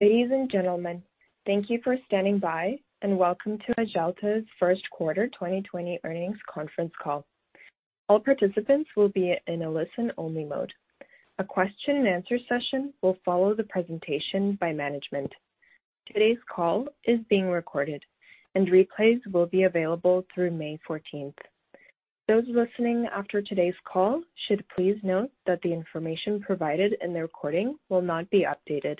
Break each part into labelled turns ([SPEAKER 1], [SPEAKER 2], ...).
[SPEAKER 1] Ladies and gentlemen, thank you for standing by, and welcome to Axalta's first quarter 2020 earnings conference call. All participants will be in a listen-only mode. A question-and-answer session will follow the presentation by management. Today's call is being recorded, and replays will be available through May 14th. Those listening after today's call should please note that the information provided in the recording will not be updated,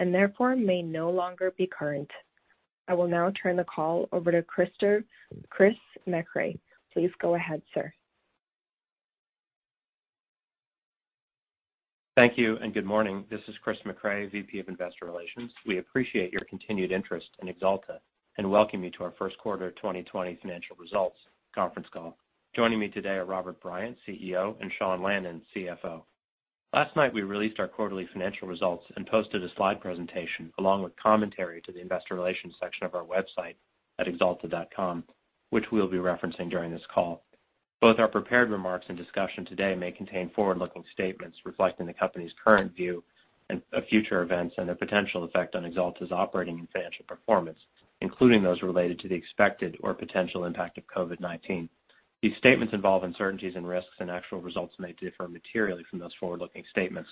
[SPEAKER 1] and therefore, may no longer be current. I will now turn the call over to Chris Mecray. Please go ahead, sir.
[SPEAKER 2] Thank you, and good morning. This is Chris Mecray, VP of Investor Relations. We appreciate your continued interest in Axalta, and welcome you to our first quarter 2020 financial results conference call. Joining me today are Robert Bryant, CEO, and Sean Lannon, CFO. Last night, we released our quarterly financial results and posted a slide presentation along with commentary to the investor relations section of our website at axalta.com, which we'll be referencing during this call. Both our prepared remarks and discussion today may contain forward-looking statements reflecting the company's current view of future events and their potential effect on Axalta's operating and financial performance, including those related to the expected or potential impact of COVID-19. These statements involve uncertainties and risks, and actual results may differ materially from those forward-looking statements.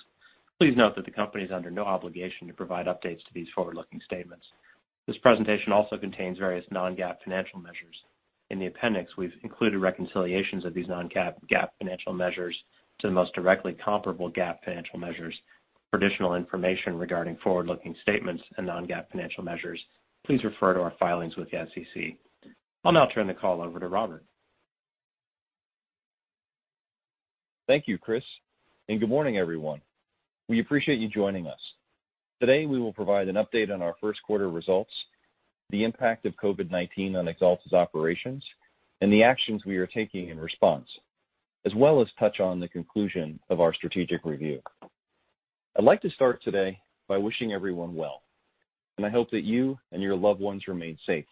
[SPEAKER 2] Please note that the company is under no obligation to provide updates to these forward-looking statements. This presentation also contains various non-GAAP financial measures. In the appendix, we've included reconciliations of these non-GAAP financial measures to the most directly comparable GAAP financial measures. For additional information regarding forward-looking statements and non-GAAP financial measures, please refer to our filings with the SEC. I'll now turn the call over to Robert.
[SPEAKER 3] Thank you, Chris. Good morning, everyone. We appreciate you joining us. Today, we will provide an update on our first quarter results, the impact of COVID-19 on Axalta's operations, and the actions we are taking in response, as well as touch on the conclusion of our strategic review. I'd like to start today by wishing everyone well, and I hope that you and your loved ones remain safe.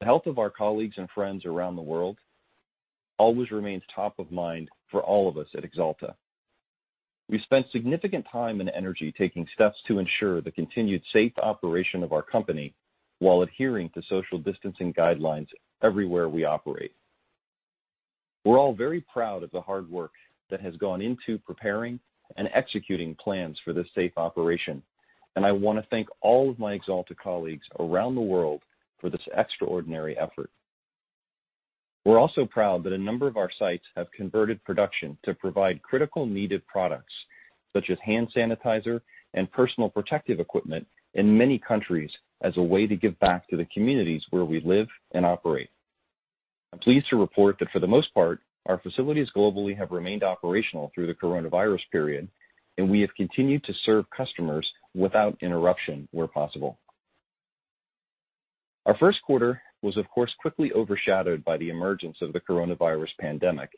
[SPEAKER 3] The health of our colleagues and friends around the world always remains top of mind for all of us at Axalta. We've spent significant time and energy taking steps to ensure the continued safe operation of our company while adhering to social distancing guidelines everywhere we operate. We're all very proud of the hard work that has gone into preparing and executing plans for this safe operation. I want to thank all of my Axalta colleagues around the world for this extraordinary effort. We're also proud that a number of our sites have converted production to provide critical needed products, such as hand sanitizer and personal protective equipment in many countries as a way to give back to the communities where we live and operate. I'm pleased to report that for the most part, our facilities globally have remained operational through the coronavirus period. We have continued to serve customers without interruption where possible. Our first quarter was of course quickly overshadowed by the emergence of the coronavirus pandemic.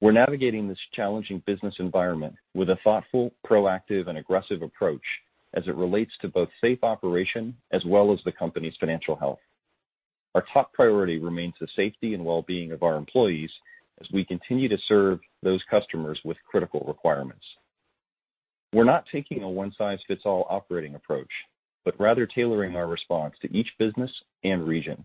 [SPEAKER 3] We're navigating this challenging business environment with a thoughtful, proactive, and aggressive approach as it relates to both safe operation as well as the company's financial health. Our top priority remains the safety and well-being of our employees as we continue to serve those customers with critical requirements. We're not taking a one-size-fits-all operating approach, but rather tailoring our response to each business and region.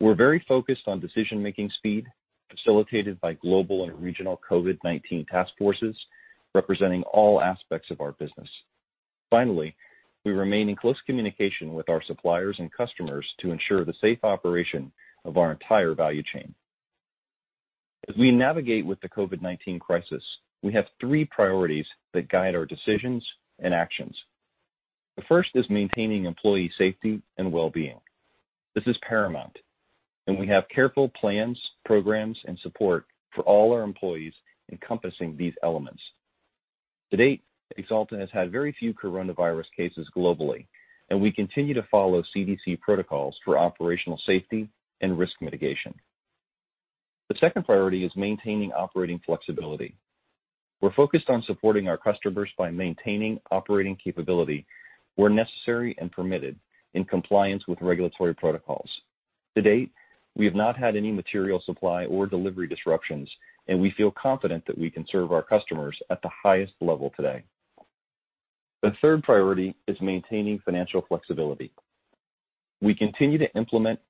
[SPEAKER 3] We're very focused on decision-making speed, facilitated by global and regional COVID-19 task forces representing all aspects of our business. We remain in close communication with our suppliers and customers to ensure the safe operation of our entire value chain. As we navigate with the COVID-19 crisis, we have three priorities that guide our decisions and actions. The first is maintaining employee safety and well-being. This is paramount, and we have careful plans, programs, and support for all our employees encompassing these elements. To date, Axalta has had very few coronavirus cases globally, and we continue to follow CDC protocols for operational safety and risk mitigation. The second priority is maintaining operating flexibility. We're focused on supporting our customers by maintaining operating capability where necessary and permitted in compliance with regulatory protocols. To date, we have not had any material supply or delivery disruptions, and we feel confident that we can serve our customers at the highest level today. The third priority is maintaining financial flexibility. We continue to implement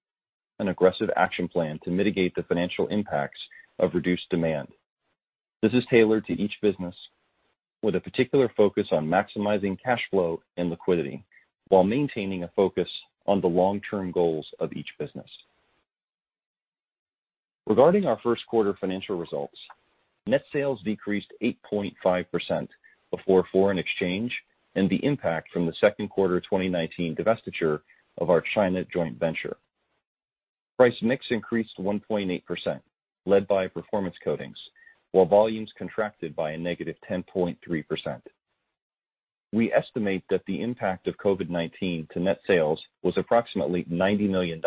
[SPEAKER 3] an aggressive action plan to mitigate the financial impacts of reduced demand. This is tailored to each business with a particular focus on maximizing cash flow and liquidity while maintaining a focus on the long-term goals of each business. Regarding our first quarter financial results, net sales decreased 8.5% before foreign exchange and the impact from the second quarter of 2019 divestiture of our China Joint Venture. Price mix increased 1.8%, led by Performance Coatings, while volumes contracted by -0.3%. We estimate that the impact of COVID-19 to net sales was approximately $90 million,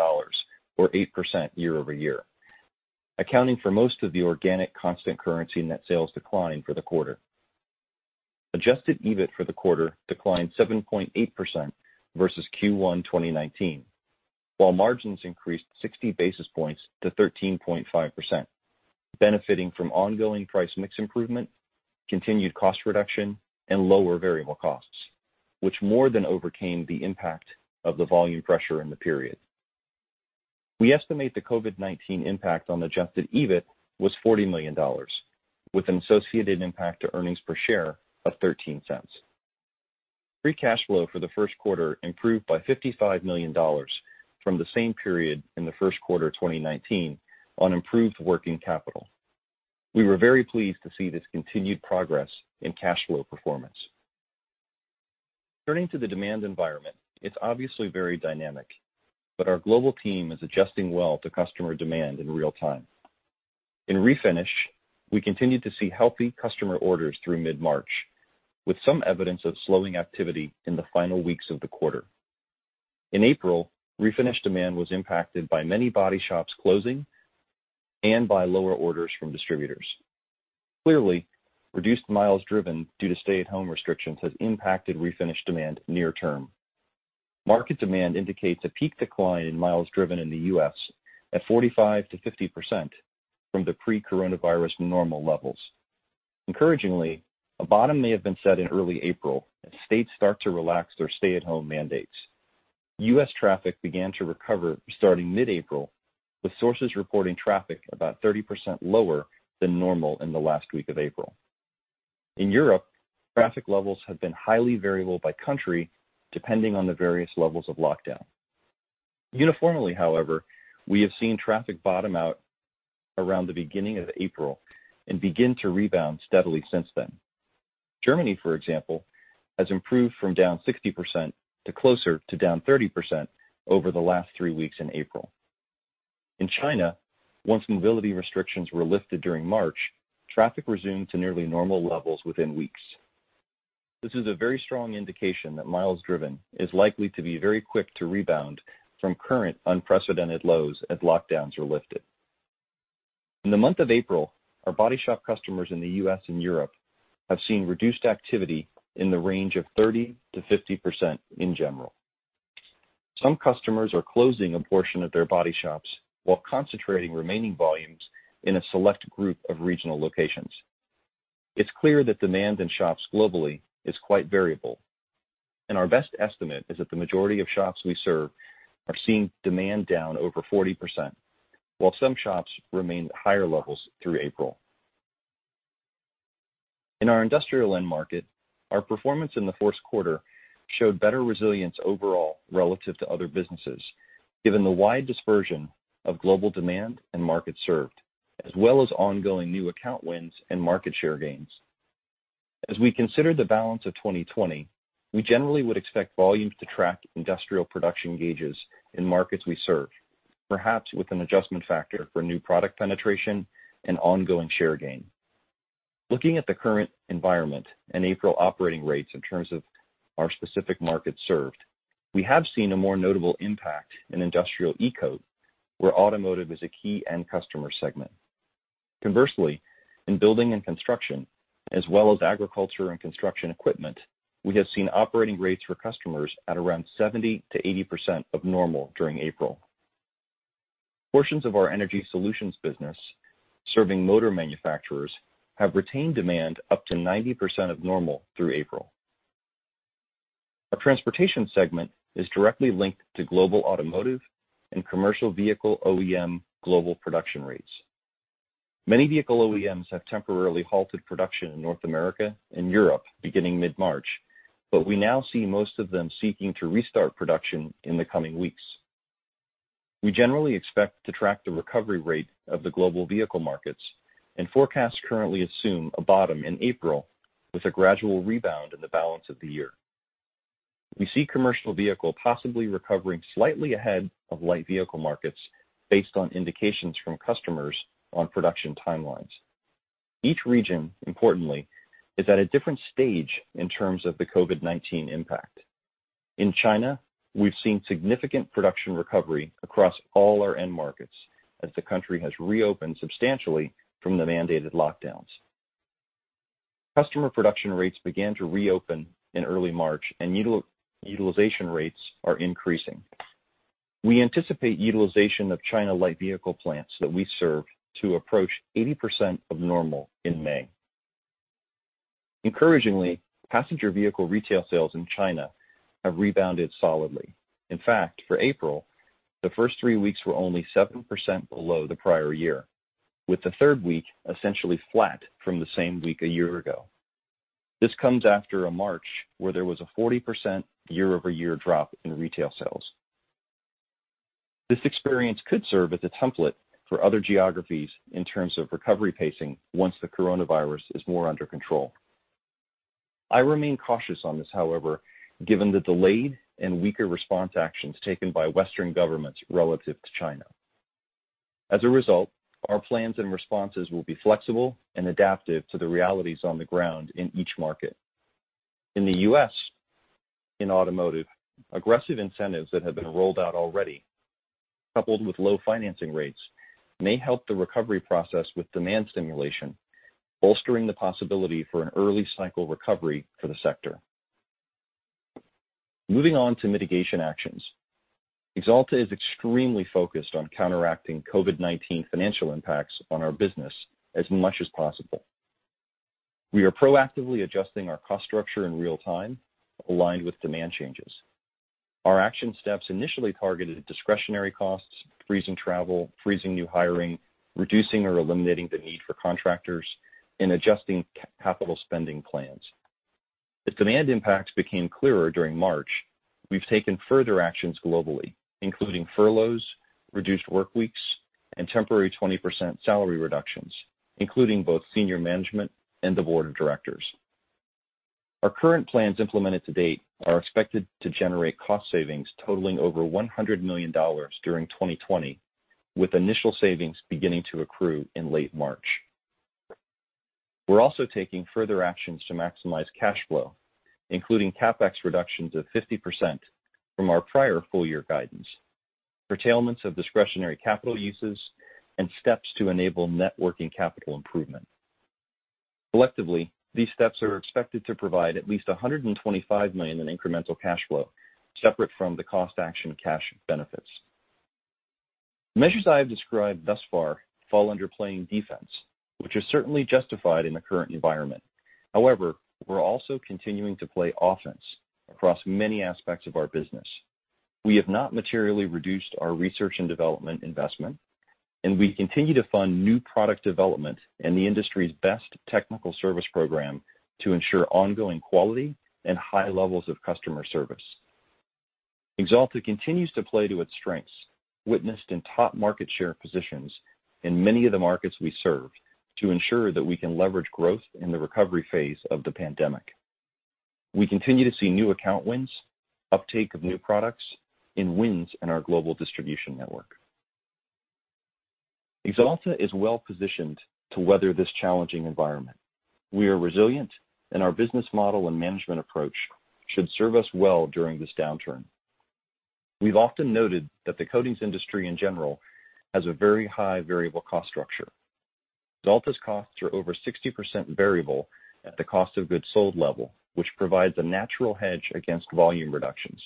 [SPEAKER 3] or 8% year-over-year, accounting for most of the organic constant currency net sales decline for the quarter. Adjusted EBIT for the quarter declined 7.8% versus Q1 2019. While margins increased 60 basis points to 13.5%, benefiting from ongoing price mix improvement, continued cost reduction, and lower variable costs, which more than overcame the impact of the volume pressure in the period. We estimate the COVID-19 impact on Adjusted EBIT was $40 million, with an associated impact to earnings per share of $0.13. Free cash flow for the first quarter improved by $55 million from the same period in the first quarter of 2019 on improved working capital. We were very pleased to see this continued progress in cash flow performance. Turning to the demand environment, it's obviously very dynamic, but our global team is adjusting well to customer demand in real time. In Refinish, we continued to see healthy customer orders through mid-March, with some evidence of slowing activity in the final weeks of the quarter. In April, Refinish demand was impacted by many body shops closing and by lower orders from distributors. Clearly, reduced miles driven due to stay-at-home restrictions has impacted Refinish demand near-term. Market demand indicates a peak decline in miles driven in the U.S. at 45%-50% from the pre-coronavirus normal levels. Encouragingly, a bottom may have been set in early April as states start to relax their stay-at-home mandates. U.S. traffic began to recover starting mid-April, with sources reporting traffic about 30% lower than normal in the last week of April. In Europe, traffic levels have been highly variable by country, depending on the various levels of lockdown. Uniformly, however, we have seen traffic bottom out around the beginning of April and begin to rebound steadily since then. Germany, for example, has improved from down 60% to closer to down 30% over the last three weeks in April. In China, once mobility restrictions were lifted during March, traffic resumed to nearly normal levels within weeks. This is a very strong indication that miles driven is likely to be very quick to rebound from current unprecedented lows as lockdowns are lifted. In the month of April, our body shop customers in the U.S. and Europe have seen reduced activity in the range of 30%-50% in general. Some customers are closing a portion of their body shops while concentrating remaining volumes in a select group of regional locations. It's clear that demand in shops globally is quite variable. Our best estimate is that the majority of shops we serve are seeing demand down over 40%, while some shops remain at higher levels through April. In our industrial end market, our performance in the first quarter showed better resilience overall relative to other businesses, given the wide dispersion of global demand and markets served, as well as ongoing new account wins and market share gains. As we consider the balance of 2020, we generally would expect volumes to track industrial production gauges in markets we serve, perhaps with an adjustment factor for new product penetration and ongoing share gain. Looking at the current environment and April operating rates in terms of our specific markets served, we have seen a more notable impact in industrial E-Coat, where automotive is a key end customer segment. Conversely, in building and construction, as well as agriculture and construction equipment, we have seen operating rates for customers at around 70%-80% of normal during April. Portions of our energy solutions business serving motor manufacturers have retained demand up to 90% of normal through April. Our Transportation segment is directly linked to global automotive and commercial vehicle OEM global production rates. Many vehicle OEMs have temporarily halted production in North America and Europe beginning mid-March, but we now see most of them seeking to restart production in the coming weeks. We generally expect to track the recovery rate of the global vehicle markets and forecasts currently assume a bottom in April with a gradual rebound in the balance of the year. We see commercial vehicle possibly recovering slightly ahead of light vehicle markets based on indications from customers on production timelines. Each region, importantly, is at a different stage in terms of the COVID-19 impact. In China, we've seen significant production recovery across all our end markets as the country has reopened substantially from the mandated lockdowns. Customer production rates began to reopen in early March, and utilization rates are increasing. We anticipate utilization of China light vehicle plants that we serve to approach 80% of normal in May. Encouragingly, passenger vehicle retail sales in China have rebounded solidly. In fact, for April, the first three weeks were only 7% below the prior year, with the third week essentially flat from the same week a year ago. This comes after a March where there was a 40% year-over-year drop in retail sales. This experience could serve as a template for other geographies in terms of recovery pacing once the coronavirus is more under control. I remain cautious on this, however, given the delayed and weaker response actions taken by Western governments relative to China. As a result, our plans and responses will be flexible and adaptive to the realities on the ground in each market. In the U.S., in automotive, aggressive incentives that have been rolled out already, coupled with low financing rates, may help the recovery process with demand stimulation, bolstering the possibility for an early cycle recovery for the sector. Moving on to mitigation actions. Axalta is extremely focused on counteracting COVID-19 financial impacts on our business as much as possible. We are proactively adjusting our cost structure in real time, aligned with demand changes. Our action steps initially targeted discretionary costs, freezing travel, freezing new hiring, reducing or eliminating the need for contractors, and adjusting capital spending plans. As demand impacts became clearer during March, we've taken further actions globally, including furloughs, reduced work weeks, and temporary 20% salary reductions, including both senior management and the Board of Directors. Our current plans implemented to date are expected to generate cost savings totaling over $100 million during 2020, with initial savings beginning to accrue in late March. We're also taking further actions to maximize cash flow, including CapEx reductions of 50% from our prior full year guidance, curtailments of discretionary capital uses, and steps to enable net working capital improvement. Collectively, these steps are expected to provide at least $125 million in incremental cash flow, separate from the cost action cash benefits. The measures I have described thus far fall under playing defense, which is certainly justified in the current environment. We're also continuing to play offense across many aspects of our business. We have not materially reduced our research and development investment, and we continue to fund new product development in the industry's best technical service program to ensure ongoing quality and high levels of customer service. Axalta continues to play to its strengths, witnessed in top market share positions in many of the markets we serve to ensure that we can leverage growth in the recovery phase of the pandemic. We continue to see new account wins, uptake of new products, and wins in our global distribution network. Axalta is well-positioned to weather this challenging environment. We are resilient, and our business model and management approach should serve us well during this downturn. We've often noted that the coatings industry, in general, has a very high variable cost structure. Axalta's costs are over 60% variable at the cost of goods sold level, which provides a natural hedge against volume reductions.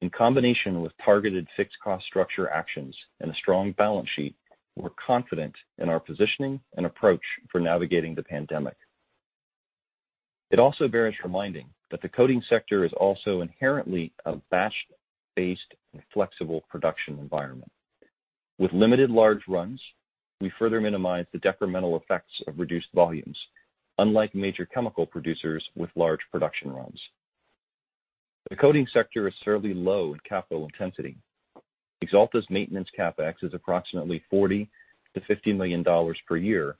[SPEAKER 3] In combination with targeted fixed cost structure actions and a strong balance sheet, we're confident in our positioning and approach for navigating the pandemic. It also bears reminding that the coatings sector is also inherently a batch-based and flexible production environment. With limited large runs, we further minimize the detrimental effects of reduced volumes, unlike major chemical producers with large production runs. The coatings sector is fairly low in capital intensity. Axalta's maintenance CapEx is approximately $40 million-$50 million per year,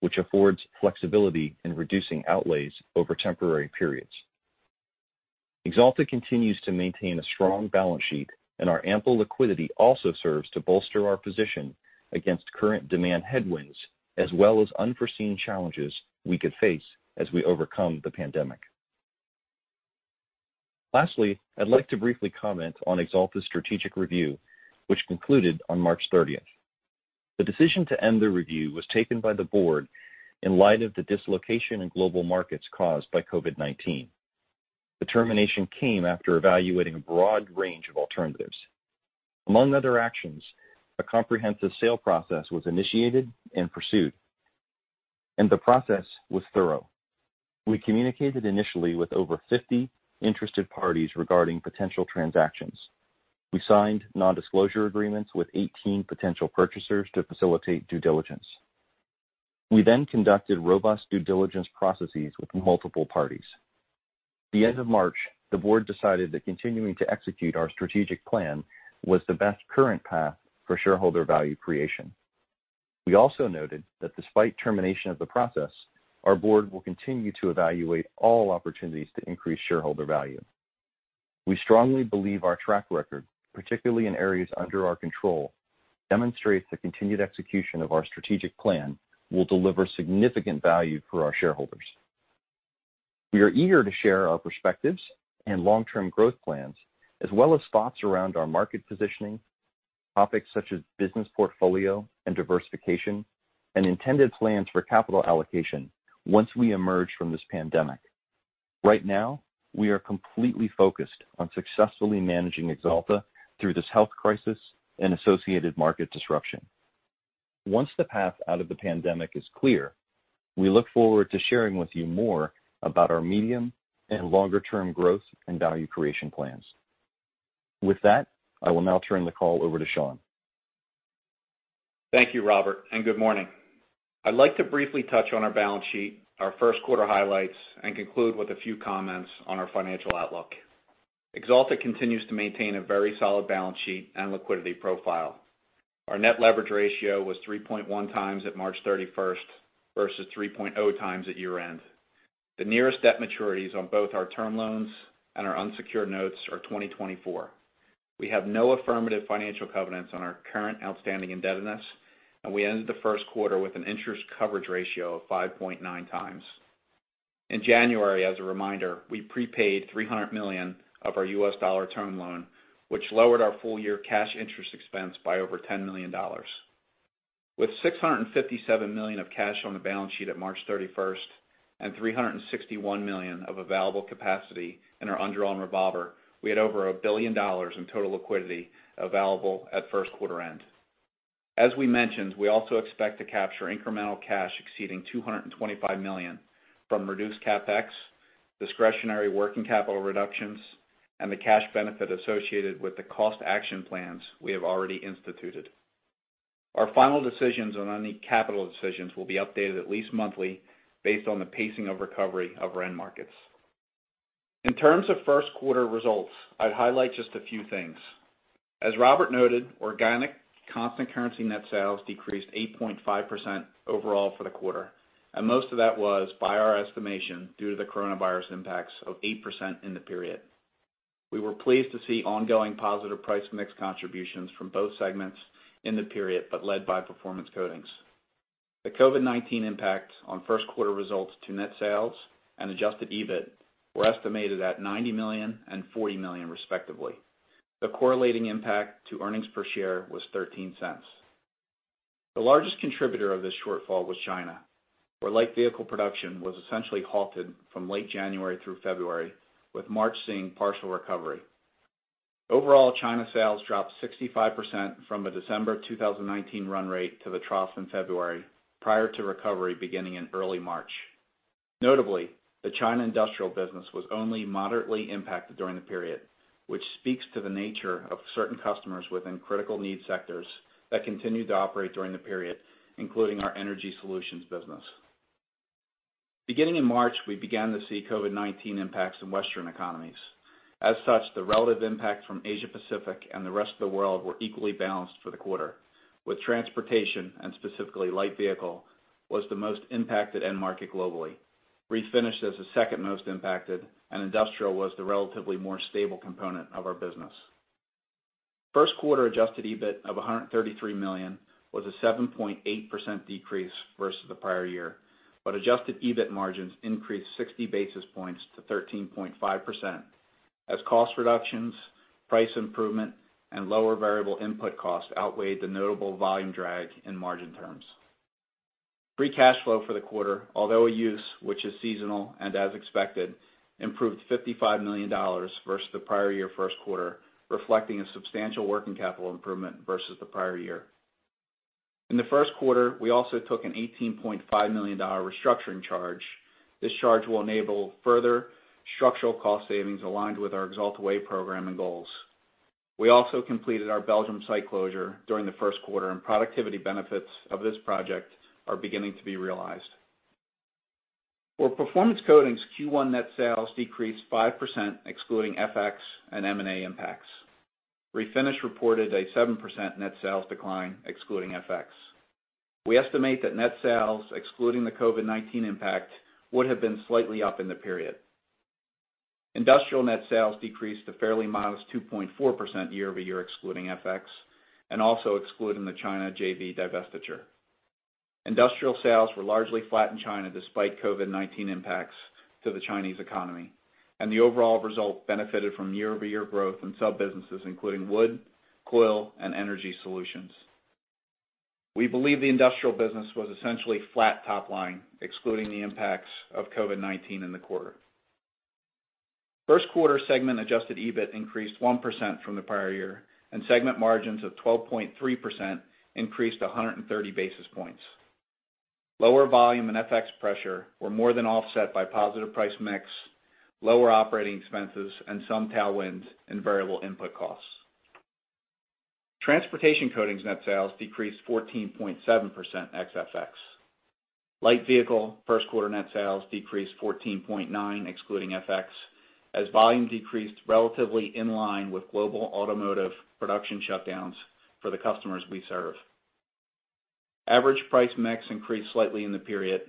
[SPEAKER 3] which affords flexibility in reducing outlays over temporary periods. Our ample liquidity also serves to bolster our position against current demand headwinds, as well as unforeseen challenges we could face as we overcome the pandemic. Lastly, I'd like to briefly comment on Axalta's strategic review, which concluded on March 30th. The decision to end the review was taken by the Board in light of the dislocation in global markets caused by COVID-19. The termination came after evaluating a broad range of alternatives. Among other actions, a comprehensive sale process was initiated and pursued. The process was thorough. We communicated initially with over 50 interested parties regarding potential transactions. We signed non-disclosure agreements with 18 potential purchasers to facilitate due diligence. We conducted robust due diligence processes with multiple parties. At the end of March, the Board decided that continuing to execute our strategic plan was the best current path for shareholder value creation. We also noted that despite termination of the process, our Board will continue to evaluate all opportunities to increase shareholder value. We strongly believe our track record, particularly in areas under our control, demonstrates the continued execution of our strategic plan will deliver significant value for our shareholders. We are eager to share our perspectives and long-term growth plans, as well as thoughts around our market positioning, topics such as business portfolio and diversification, and intended plans for capital allocation once we emerge from this pandemic. Right now, we are completely focused on successfully managing Axalta through this health crisis and associated market disruption. Once the path out of the pandemic is clear, we look forward to sharing with you more about our medium and longer-term growth and value creation plans. With that, I will now turn the call over to Sean.
[SPEAKER 4] Thank you, Robert, and good morning. I'd like to briefly touch on our balance sheet, our first quarter highlights, and conclude with a few comments on our financial outlook. Axalta continues to maintain a very solid balance sheet and liquidity profile. Our net leverage ratio was 3.1x at March 31st versus 3.0x at year-end. The nearest debt maturities on both our term loans and our unsecured notes are 2024. We have no affirmative financial covenants on our current outstanding indebtedness, and we ended the first quarter with an interest coverage ratio of 5.9x. In January, as a reminder, we prepaid $300 million of our U.S. dollar term loan, which lowered our full year cash interest expense by over $10 million. With $657 million of cash on the balance sheet at March 31st, and $361 million of available capacity in our undrawn revolver, we had over $1 billion in total liquidity available at first quarter end. As we mentioned, we also expect to capture incremental cash exceeding $225 million from reduced CapEx, discretionary working capital reductions, and the cash benefit associated with the cost action plans we have already instituted. Our final decisions on any capital decisions will be updated at least monthly, based on the pacing of recovery of end markets. In terms of first quarter results, I'd highlight just a few things. As Robert noted, organic constant currency net sales decreased 8.5% overall for the quarter, and most of that was, by our estimation, due to the coronavirus impacts of 8% in the period. We were pleased to see ongoing positive price mix contributions from both segments in the period, but led by Performance Coatings. The COVID-19 impacts on first quarter results to net sales and adjusted EBIT were estimated at $90 million and $40 million respectively. The correlating impact to earnings per share was $0.13. The largest contributor of this shortfall was China, where light vehicle production was essentially halted from late January through February, with March seeing partial recovery. Overall, China sales dropped 65% from the December 2019 run rate to the trough in February, prior to recovery beginning in early March. Notably, the China industrial business was only moderately impacted during the period, which speaks to the nature of certain customers within critical need sectors that continued to operate during the period, including our energy solutions business. Beginning in March, we began to see COVID-19 impacts in Western economies. As such, the relative impact from Asia-Pacific and the rest of the world were equally balanced for the quarter, with transportation, and specifically light vehicle, was the most impacted end market globally. Refinish as the second most impacted, industrial was the relatively more stable component of our business. First quarter adjusted EBIT of $133 million was a 7.8% decrease versus the prior year. Adjusted EBIT margins increased 60 basis points to 13.5%, as cost reductions, price improvement, and lower variable input costs outweighed the notable volume drag in margin terms. Free cash flow for the quarter, although a use, which is seasonal and as expected, improved $55 million versus the prior year first quarter, reflecting a substantial working capital improvement versus the prior year. In the first quarter, we also took an $18.5 million restructuring charge. This charge will enable further structural cost savings aligned with our Axalta Way program and goals. We also completed our Belgium site closure during the first quarter, and productivity benefits of this project are beginning to be realized. For Performance Coatings, Q1 net sales decreased 5%, excluding FX and M&A impacts. Refinish reported a 7% net sales decline excluding FX. We estimate that net sales, excluding the COVID-19 impact, would have been slightly up in the period. Industrial net sales decreased a fairly modest 2.4% year-over-year excluding FX, and also excluding the China JV divestiture. Industrial sales were largely flat in China despite COVID-19 impacts to the Chinese economy, and the overall result benefited from year-over-year growth in sub-businesses including wood, coil, and energy solutions. We believe the Industrial business was essentially flat top line, excluding the impacts of COVID-19 in the quarter. First quarter segment adjusted EBIT increased 1% from the prior year. Segment margins of 12.3% increased to 130 basis points. Lower volume and FX pressure were more than offset by positive price mix, lower operating expenses, and some tailwinds in variable input costs. Transportation Coatings' net sales decreased 14.7% ex FX. Light Vehicle first quarter net sales decreased 14.9% excluding FX, as volume decreased relatively in line with global automotive production shutdowns for the customers we serve. Average price mix increased slightly in the period.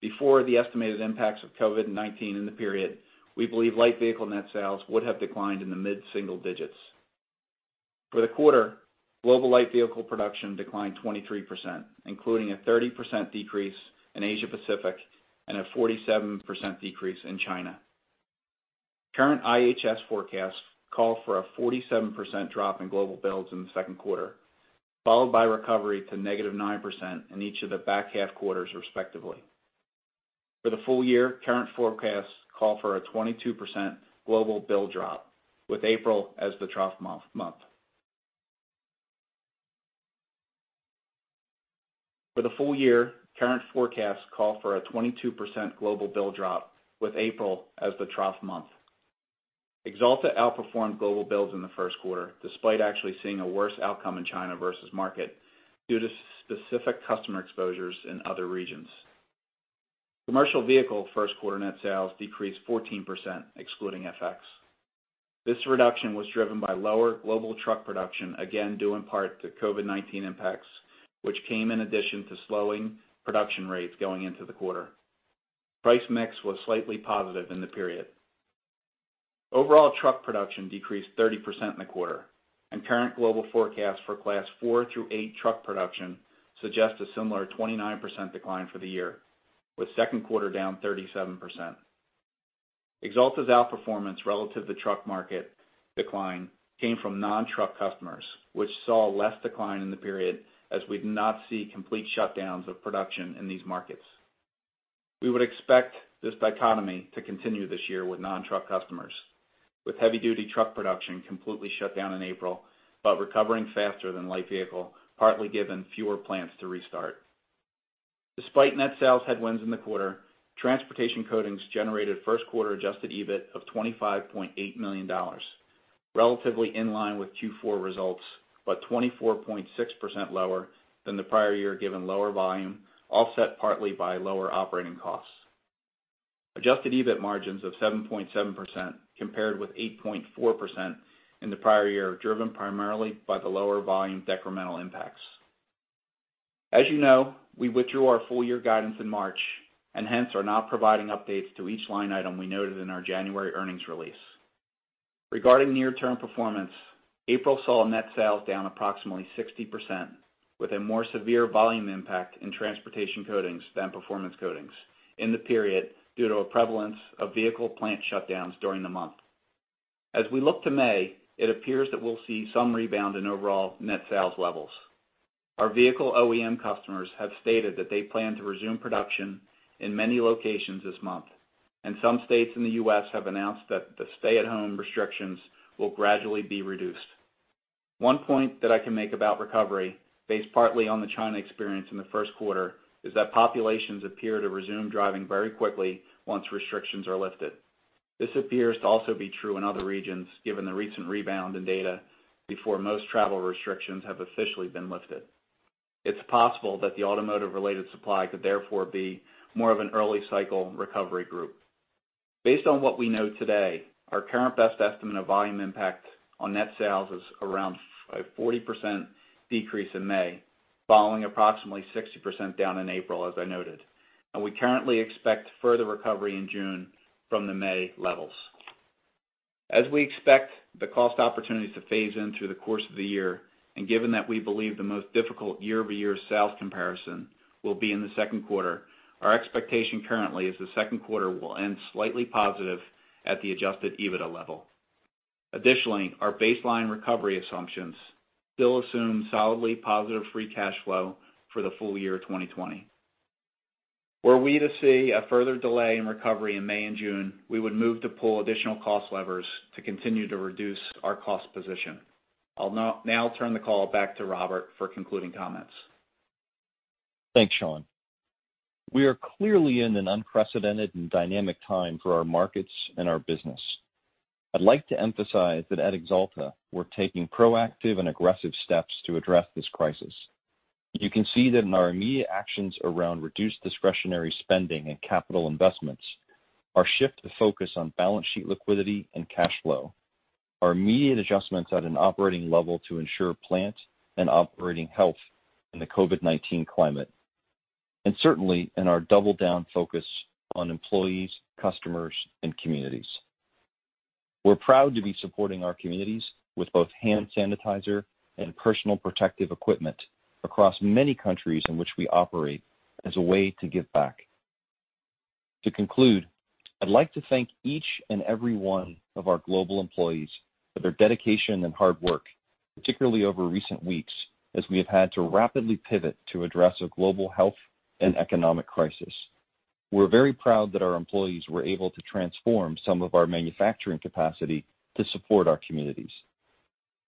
[SPEAKER 4] Before the estimated impacts of COVID-19 in the period, we believe Light Vehicle net sales would have declined in the mid-single digits. For the quarter, global Light Vehicle production declined 23%, including a 30% decrease in Asia-Pacific, and a 47% decrease in China. Current IHS forecasts call for a 47% drop in global builds in the second quarter, followed by recovery to -9% in each of the back half quarters respectively. For the full year, current forecasts call for a 22% global build drop with April as the trough month. For the full year, current forecasts call for a 22% global build drop with April as the trough month. Axalta outperformed global builds in the first quarter, despite actually seeing a worse outcome in China versus market due to specific customer exposures in other regions. Commercial vehicle first quarter net sales decreased 14%, excluding FX. This reduction was driven by lower global truck production, again due in part to COVID-19 impacts, which came in addition to slowing production rates going into the quarter. Price mix was slightly positive in the period. Overall truck production decreased 30% in the quarter, and current global forecasts for class four through eight truck production suggest a similar 29% decline for the year, with second quarter down 37%. Axalta's outperformance relative to truck market decline came from non-truck customers, which saw less decline in the period as we did not see complete shutdowns of production in these markets. We would expect this dichotomy to continue this year with non-truck customers, with heavy-duty truck production completely shut down in April, but recovering faster than light vehicle, partly given fewer plants to restart. Despite net sales headwinds in the quarter, Transportation Coatings generated first quarter adjusted EBIT of $25.8 million, relatively in line with Q4 results, but 24.6% lower than the prior year given lower volume, offset partly by lower operating costs. Adjusted EBIT margins of 7.7%, compared with 8.4% in the prior year, driven primarily by the lower volume decremental impacts. As you know, we withdrew our full year guidance in March, hence are now providing updates to each line item we noted in our January earnings release. Regarding near-term performance, April saw net sales down approximately 60%, with a more severe volume impact in Transportation Coatings than Performance Coatings in the period due to a prevalence of vehicle plant shutdowns during the month. We look to May, it appears that we'll see some rebound in overall net sales levels. Our vehicle OEM customers have stated that they plan to resume production in many locations this month, some states in the U.S. have announced that the stay-at-home restrictions will gradually be reduced. One point that I can make about recovery, based partly on the China experience in the first quarter, is that populations appear to resume driving very quickly once restrictions are lifted. This appears to also be true in other regions, given the recent rebound in data before most travel restrictions have officially been lifted. It's possible that the automotive-related supply could therefore be more of an early cycle recovery group. Based on what we know today, our current best estimate of volume impact on net sales is around a 40% decrease in May, following approximately 60% down in April, as I noted. We currently expect further recovery in June from the May levels. As we expect the cost opportunities to phase in through the course of the year, and given that we believe the most difficult year-over-year sales comparison will be in the second quarter, our expectation currently is the second quarter will end slightly positive at the adjusted EBITDA level. Additionally, our baseline recovery assumptions still assume solidly positive free cash flow for the full year 2020. Were we to see a further delay in recovery in May and June, we would move to pull additional cost levers to continue to reduce our cost position. I'll now turn the call back to Robert for concluding comments.
[SPEAKER 3] Thanks, Sean. We are clearly in an unprecedented and dynamic time for our markets and our business. I'd like to emphasize that at Axalta, we're taking proactive and aggressive steps to address this crisis. You can see that in our immediate actions around reduced discretionary spending and capital investments, our shift to focus on balance sheet liquidity and cash flow, our immediate adjustments at an operating level to ensure plant and operating health in the COVID-19 climate, and certainly in our double-down focus on employees, customers, and communities. We're proud to be supporting our communities with both hand sanitizer and personal protective equipment across many countries in which we operate as a way to give back. To conclude, I'd like to thank each and every one of our global employees for their dedication and hard work, particularly over recent weeks, as we have had to rapidly pivot to address a global health and economic crisis. We're very proud that our employees were able to transform some of our manufacturing capacity to support our communities.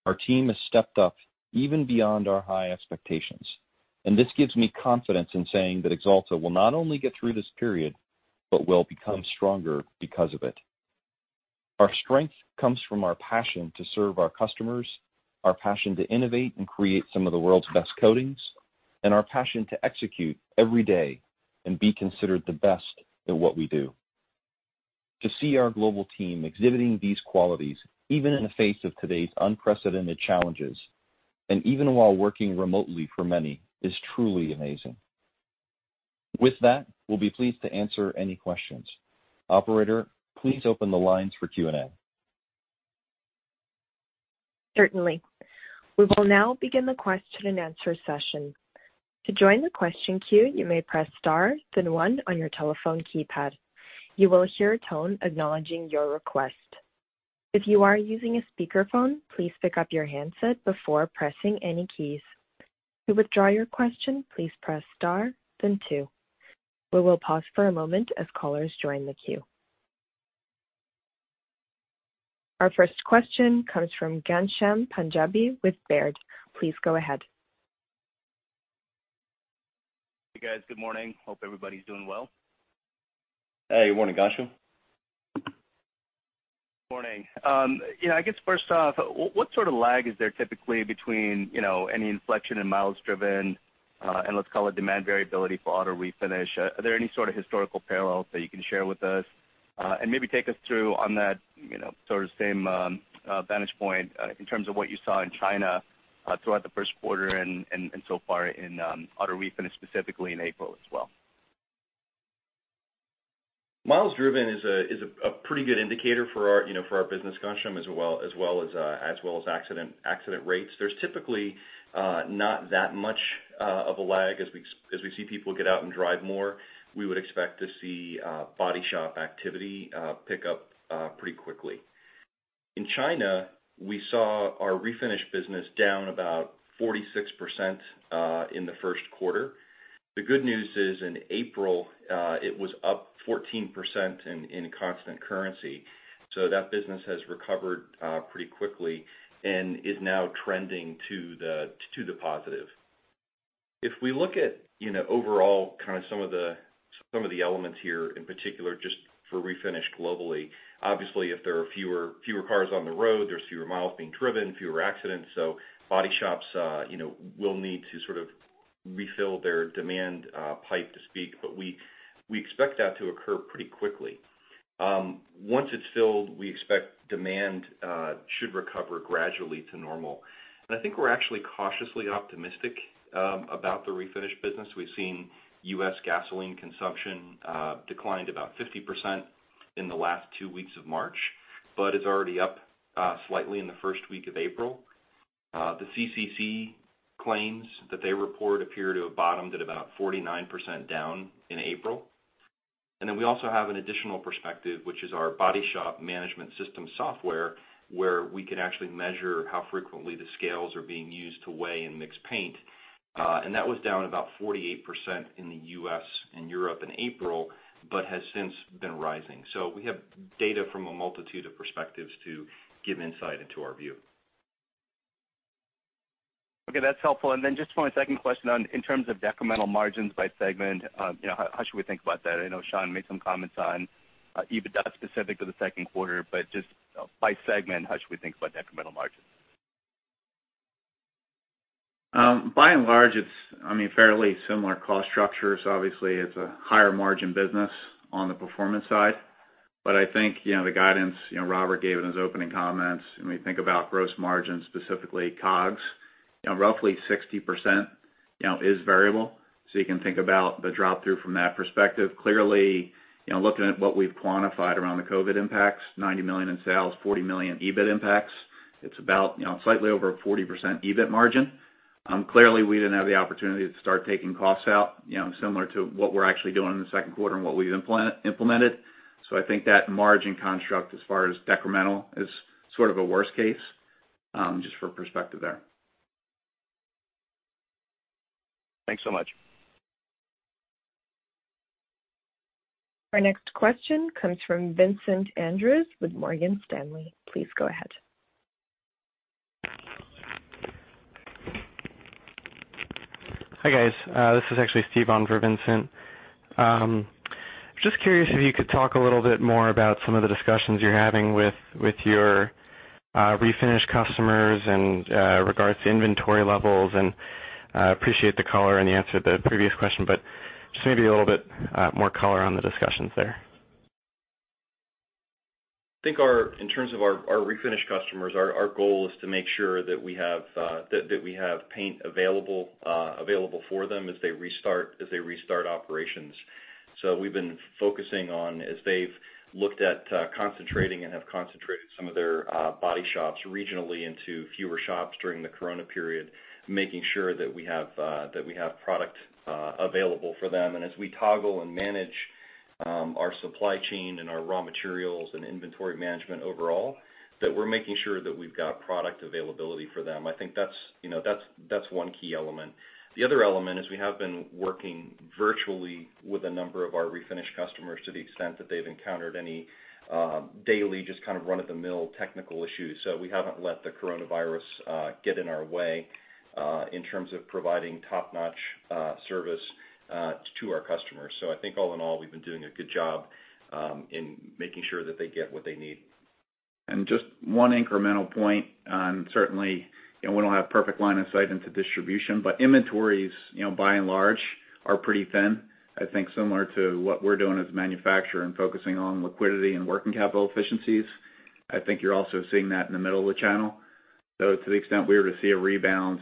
[SPEAKER 3] Our team has stepped up even beyond our high expectations, and this gives me confidence in saying that Axalta will not only get through this period, but will become stronger because of it. Our strength comes from our passion to serve our customers, our passion to innovate and create some of the world's best coatings, and our passion to execute every day and be considered the best at what we do. To see our global team exhibiting these qualities, even in the face of today's unprecedented challenges, and even while working remotely for many, is truly amazing. With that, we'll be pleased to answer any questions. Operator, please open the lines for Q&A.
[SPEAKER 1] Certainly. We will now begin the question-and-answer session. To join the question queue, you may press star then one on your telephone keypad. You will hear a tone acknowledging your request. If you are using a speakerphone, please pick up your handset before pressing any keys. To withdraw your question, please press star then two. We will pause for a moment as callers join the queue. Our first question comes from Ghansham Panjabi with Baird. Please go ahead.
[SPEAKER 5] Hey, guys. Good morning. Hope everybody's doing well.
[SPEAKER 3] Hey. Good morning, Ghansham.
[SPEAKER 5] Morning. I guess first off, what sort of lag is there typically between any inflection in miles driven, and let's call it demand variability for auto Refinish? Are there any sort of historical parallels that you can share with us? Maybe take us through on that sort of same vantage point, in terms of what you saw in China throughout the first quarter and so far in auto Refinish, specifically in April as well.
[SPEAKER 3] Miles driven is a pretty good indicator for our business, Ghansham, as well as accident rates. There's typically not that much of a lag as we see people get out and drive more, we would expect to see body shop activity pick up pretty quickly. In China, we saw our Refinish business down about 46% in the first quarter. The good news is, in April, it was up 14% in constant currency. That business has recovered pretty quickly and is now trending to the positive. If we look at overall some of the elements here, in particular just for Refinish globally, obviously, if there are fewer cars on the road, there's fewer miles being driven, fewer accidents, body shops will need to sort of refill their demand pipe, to speak. We expect that to occur pretty quickly. Once it's filled, we expect demand should recover gradually to normal. I think we're actually cautiously optimistic about the Refinish business. We've seen U.S. gasoline consumption declined about 50% in the last two weeks of March, but is already up slightly in the first week of April. The CCC claims that they report appear to have bottomed at about 49% down in April. We also have an additional perspective, which is our body shop management system software, where we can actually measure how frequently the scales are being used to weigh and mix paint. That was down about 48% in the U.S. and Europe in April, but has since been rising. We have data from a multitude of perspectives to give insight into our view.
[SPEAKER 5] Okay. That's helpful. Then just one second question on, in terms of decremental margins by segment, how should we think about that? I know Sean made some comments on EBITDA specific to the second quarter, but just by segment, how should we think about decremental margins?
[SPEAKER 4] By and large, it's fairly similar cost structure. Obviously, it's a higher margin business on the Performance Coatings side. I think the guidance Robert gave in his opening comments, when we think about gross margins, specifically COGS, roughly 60% is variable. You can think about the drop-through from that perspective. Clearly, looking at what we've quantified around the COVID impacts, $90 million in sales, $40 million EBIT impacts, it's about slightly over a 40% EBIT margin. Clearly, we didn't have the opportunity to start taking costs out, similar to what we're actually doing in the second quarter and what we've implemented. I think that margin construct, as far as decremental, is sort of a worst case, just for perspective there.
[SPEAKER 5] Thanks so much.
[SPEAKER 1] Our next question comes from Vincent Andrews with Morgan Stanley. Please go ahead.
[SPEAKER 6] Hi, guys. This is actually Steve on for Vincent. Just curious if you could talk a little bit more about some of the discussions you're having with your Refinish customers in regards to inventory levels and appreciate the color in the answer to the previous question, but just maybe a little bit more color on the discussions there.
[SPEAKER 3] I think in terms of our Refinish customers, our goal is to make sure that we have paint available for them as they restart operations. We've been focusing on, as they've looked at concentrating and have concentrated some of their body shops regionally into fewer shops during the Corona period, making sure that we have product available for them, and as we toggle and manage our supply chain and our raw materials and inventory management overall, that we're making sure that we've got product availability for them. I think that's one key element. The other element is we have been working virtually with a number of our Refinish customers to the extent that they've encountered any daily, just kind of run-of-the-mill technical issues. We haven't let the Coronavirus get in our way, in terms of providing top-notch service to our customers. I think all in all, we've been doing a good job in making sure that they get what they need.
[SPEAKER 4] Just one incremental point. Certainly, we don't have perfect line of sight into distribution, but inventories, by and large, are pretty thin. I think similar to what we're doing as a manufacturer and focusing on liquidity and working capital efficiencies, I think you're also seeing that in the middle of the channel. To the extent we were to see a rebound,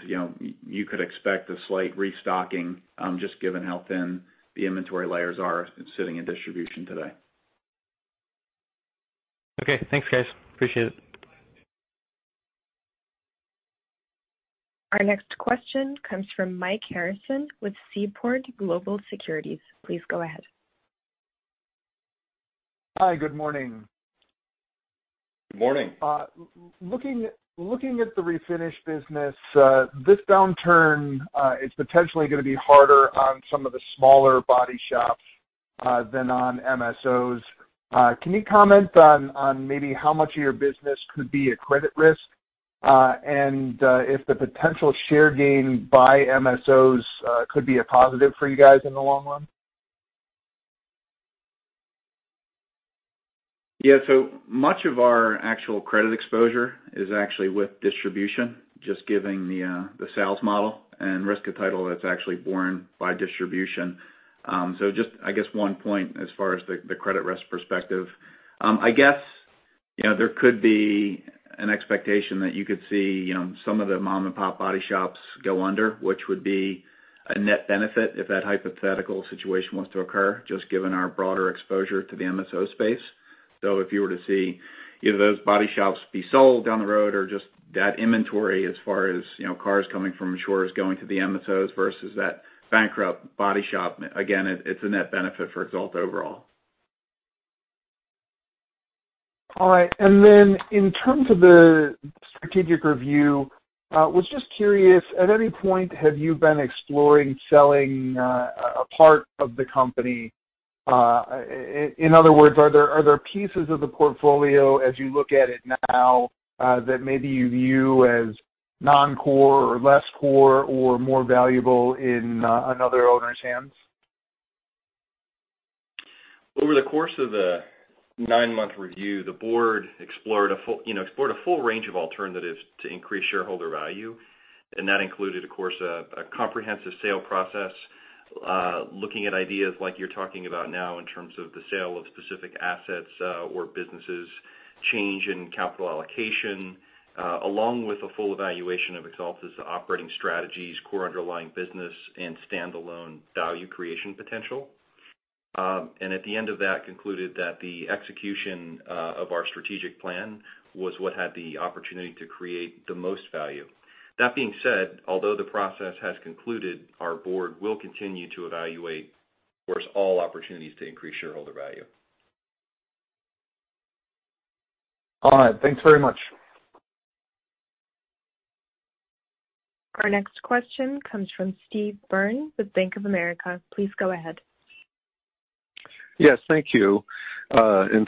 [SPEAKER 4] you could expect a slight restocking, just given how thin the inventory layers are sitting in distribution today.
[SPEAKER 6] Okay. Thanks, guys. Appreciate it.
[SPEAKER 1] Our next question comes from Mike Harrison with Seaport Global Securities. Please go ahead.
[SPEAKER 7] Hi. Good morning.
[SPEAKER 3] Good morning.
[SPEAKER 7] Looking at the Refinish business, this downturn is potentially going to be harder on some of the smaller body shops than on MSOs. Can you comment on maybe how much of your business could be a credit risk? If the potential share gain by MSOs could be a positive for you guys in the long run?
[SPEAKER 4] Yeah. Much of our actual credit exposure is actually with distribution, just given the sales model and risk of title that's actually borne by distribution. Just, I guess one point as far as the credit risk perspective. I guess there could be an expectation that you could see some of the mom-and-pop body shops go under, which would be a net benefit if that hypothetical situation was to occur, just given our broader exposure to the MSO space. If you were to see either of those body shops be sold down the road or just that inventory as far as cars coming from shores going to the MSOs versus that bankrupt body shop, again, it's a net benefit for Axalta overall.
[SPEAKER 7] All right. In terms of the strategic review, was just curious, at any point have you been exploring selling a part of the company? In other words, are there pieces of the portfolio as you look at it now that maybe you view as non-core or less core or more valuable in another owner's hands?
[SPEAKER 3] Over the course of the nine-month review, the board explored a full range of alternatives to increase shareholder value, and that included, of course, a comprehensive sale process, looking at ideas like you're talking about now in terms of the sale of specific assets or businesses, change in capital allocation, along with a full evaluation of Axalta's operating strategies, core underlying business, and standalone value creation potential. At the end of that, concluded that the execution of our strategic plan was what had the opportunity to create the most value. That being said, although the process has concluded, our Board will continue to evaluate, of course, all opportunities to increase shareholder value.
[SPEAKER 7] All right. Thanks very much.
[SPEAKER 1] Our next question comes from Steve Byrne with Bank of America. Please go ahead.
[SPEAKER 8] Yes. Thank you.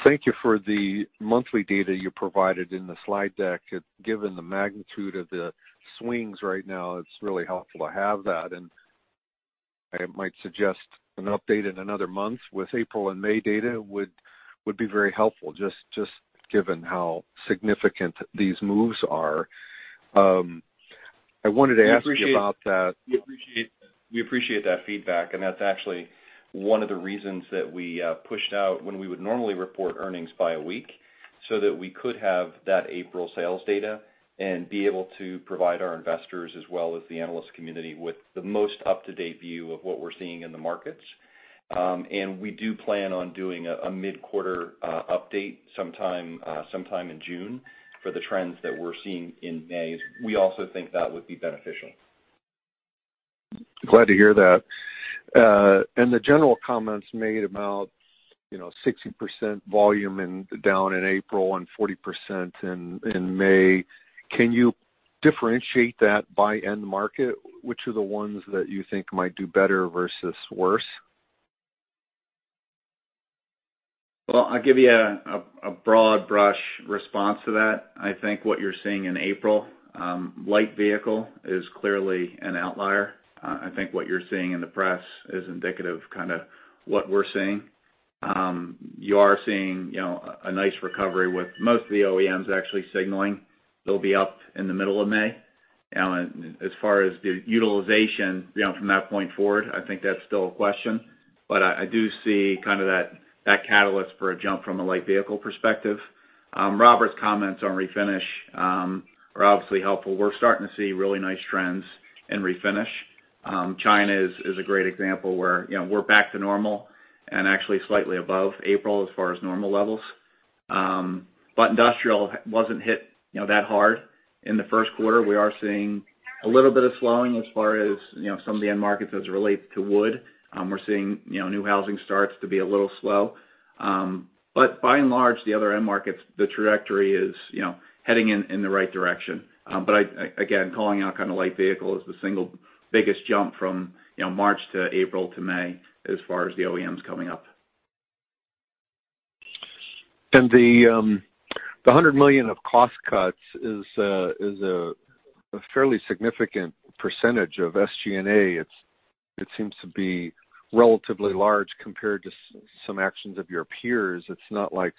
[SPEAKER 8] Thank you for the monthly data you provided in the slide deck. Given the magnitude of the swings right now, it's really helpful to have that. I might suggest an update in another month with April and May data would be very helpful, just given how significant these moves are. I wanted to ask you about that.
[SPEAKER 3] We appreciate that feedback, and that's actually one of the reasons that we pushed out when we would normally report earnings by a week so that we could have that April sales data and be able to provide our investors, as well as the analyst community, with the most up-to-date view of what we're seeing in the markets. We do plan on doing a mid-quarter update sometime in June for the trends that we're seeing in May. We also think that would be beneficial.
[SPEAKER 8] Glad to hear that. The general comments made about 60% volume down in April and 40% in May, can you differentiate that by end market? Which are the ones that you think might do better versus worse?
[SPEAKER 4] Well, I'll give you a broad brush response to that. I think what you're seeing in April, light vehicle is clearly an outlier. I think what you're seeing in the press is indicative kind of what we're seeing. You are seeing a nice recovery with most of the OEMs actually signaling they'll be up in the middle of May. As far as the utilization from that point forward, I think that's still a question. I do see kind of that catalyst for a jump from a light vehicle perspective. Robert's comments on Refinish are obviously helpful. We're starting to see really nice trends in Refinish. China is a great example where we're back to normal and actually slightly above April as far as normal levels. Industrial wasn't hit that hard in the first quarter. We are seeing a little bit of slowing as far as some of the end markets as it relates to wood. We're seeing new housing starts to be a little slow. By and large, the other end markets, the trajectory is heading in the right direction. Again, calling out kind of light vehicle as the single biggest jump from March to April to May as far as the OEMs coming up.
[SPEAKER 8] The $100 million of cost cuts is a fairly significant percentage of SG&A. It seems to be relatively large compared to some actions of your peers. It's not like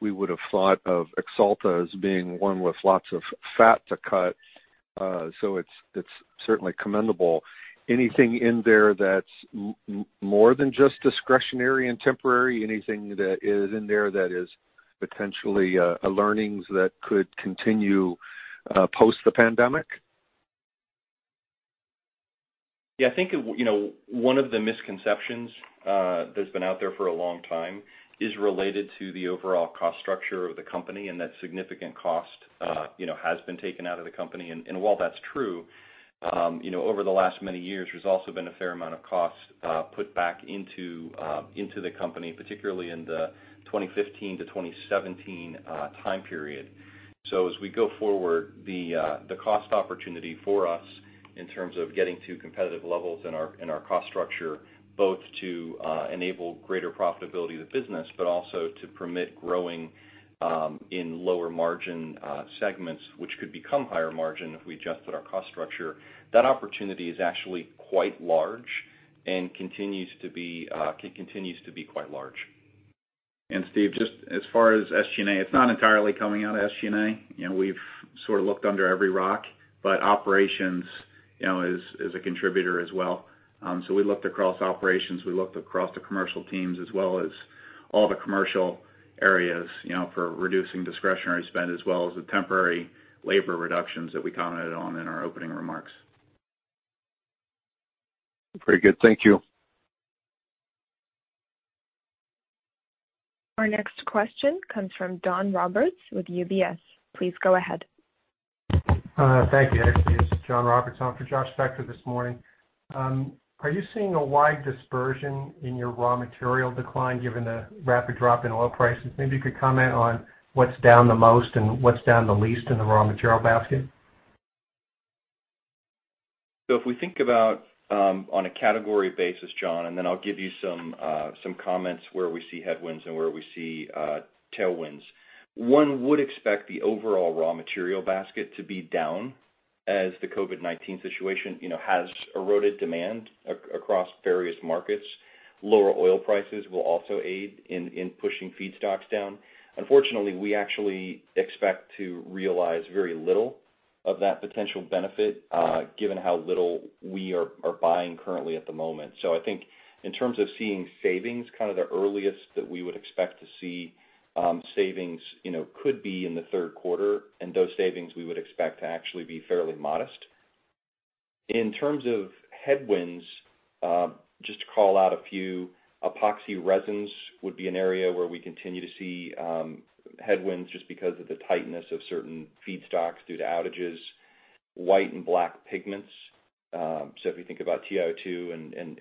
[SPEAKER 8] we would've thought of Axalta as being one with lots of fat to cut. It's certainly commendable. Anything in there that's more than just discretionary and temporary? Anything that is in there that is potentially learnings that could continue post the pandemic?
[SPEAKER 3] I think one of the misconceptions that's been out there for a long time is related to the overall cost structure of the company and that significant cost has been taken out of the company. While that's true, over the last many years, there's also been a fair amount of cost put back into the company, particularly in the 2015-2017 time period. As we go forward, the cost opportunity for us in terms of getting to competitive levels in our cost structure, both to enable greater profitability of the business, but also to permit growing in lower margin segments, which could become higher margin if we adjusted our cost structure. That opportunity is actually quite large and continues to be quite large.
[SPEAKER 4] Steve, just as far as SG&A, it's not entirely coming out of SG&A. We've sort of looked under every rock. Operations is a contributor as well. We looked across operations, we looked across the commercial teams, as well as all the commercial areas for reducing discretionary spend, as well as the temporary labor reductions that we commented on in our opening remarks.
[SPEAKER 8] Very good. Thank you.
[SPEAKER 1] Our next question comes from Don Roberts with UBS. Please go ahead.
[SPEAKER 9] Thank you. Actually, it's Don Roberts on for Josh Spector this morning. Are you seeing a wide dispersion in your raw material decline, given the rapid drop in oil prices? Maybe you could comment on what's down the most and what's down the least in the raw material basket.
[SPEAKER 3] If we think about on a category basis, Don, I'll give you some comments where we see headwinds and where we see tailwinds. One would expect the overall raw material basket to be down as the COVID-19 situation has eroded demand across various markets. Lower oil prices will also aid in pushing feedstocks down. Unfortunately, we actually expect to realize very little of that potential benefit given how little we are buying currently at the moment. I think in terms of seeing savings, kind of the earliest that we would expect to see savings could be in the third quarter, those savings we would expect to actually be fairly modest. In terms of headwinds, just to call out a few, epoxy resins would be an area where we continue to see headwinds just because of the tightness of certain feedstocks due to outages. White and black pigments. If you think about TiO2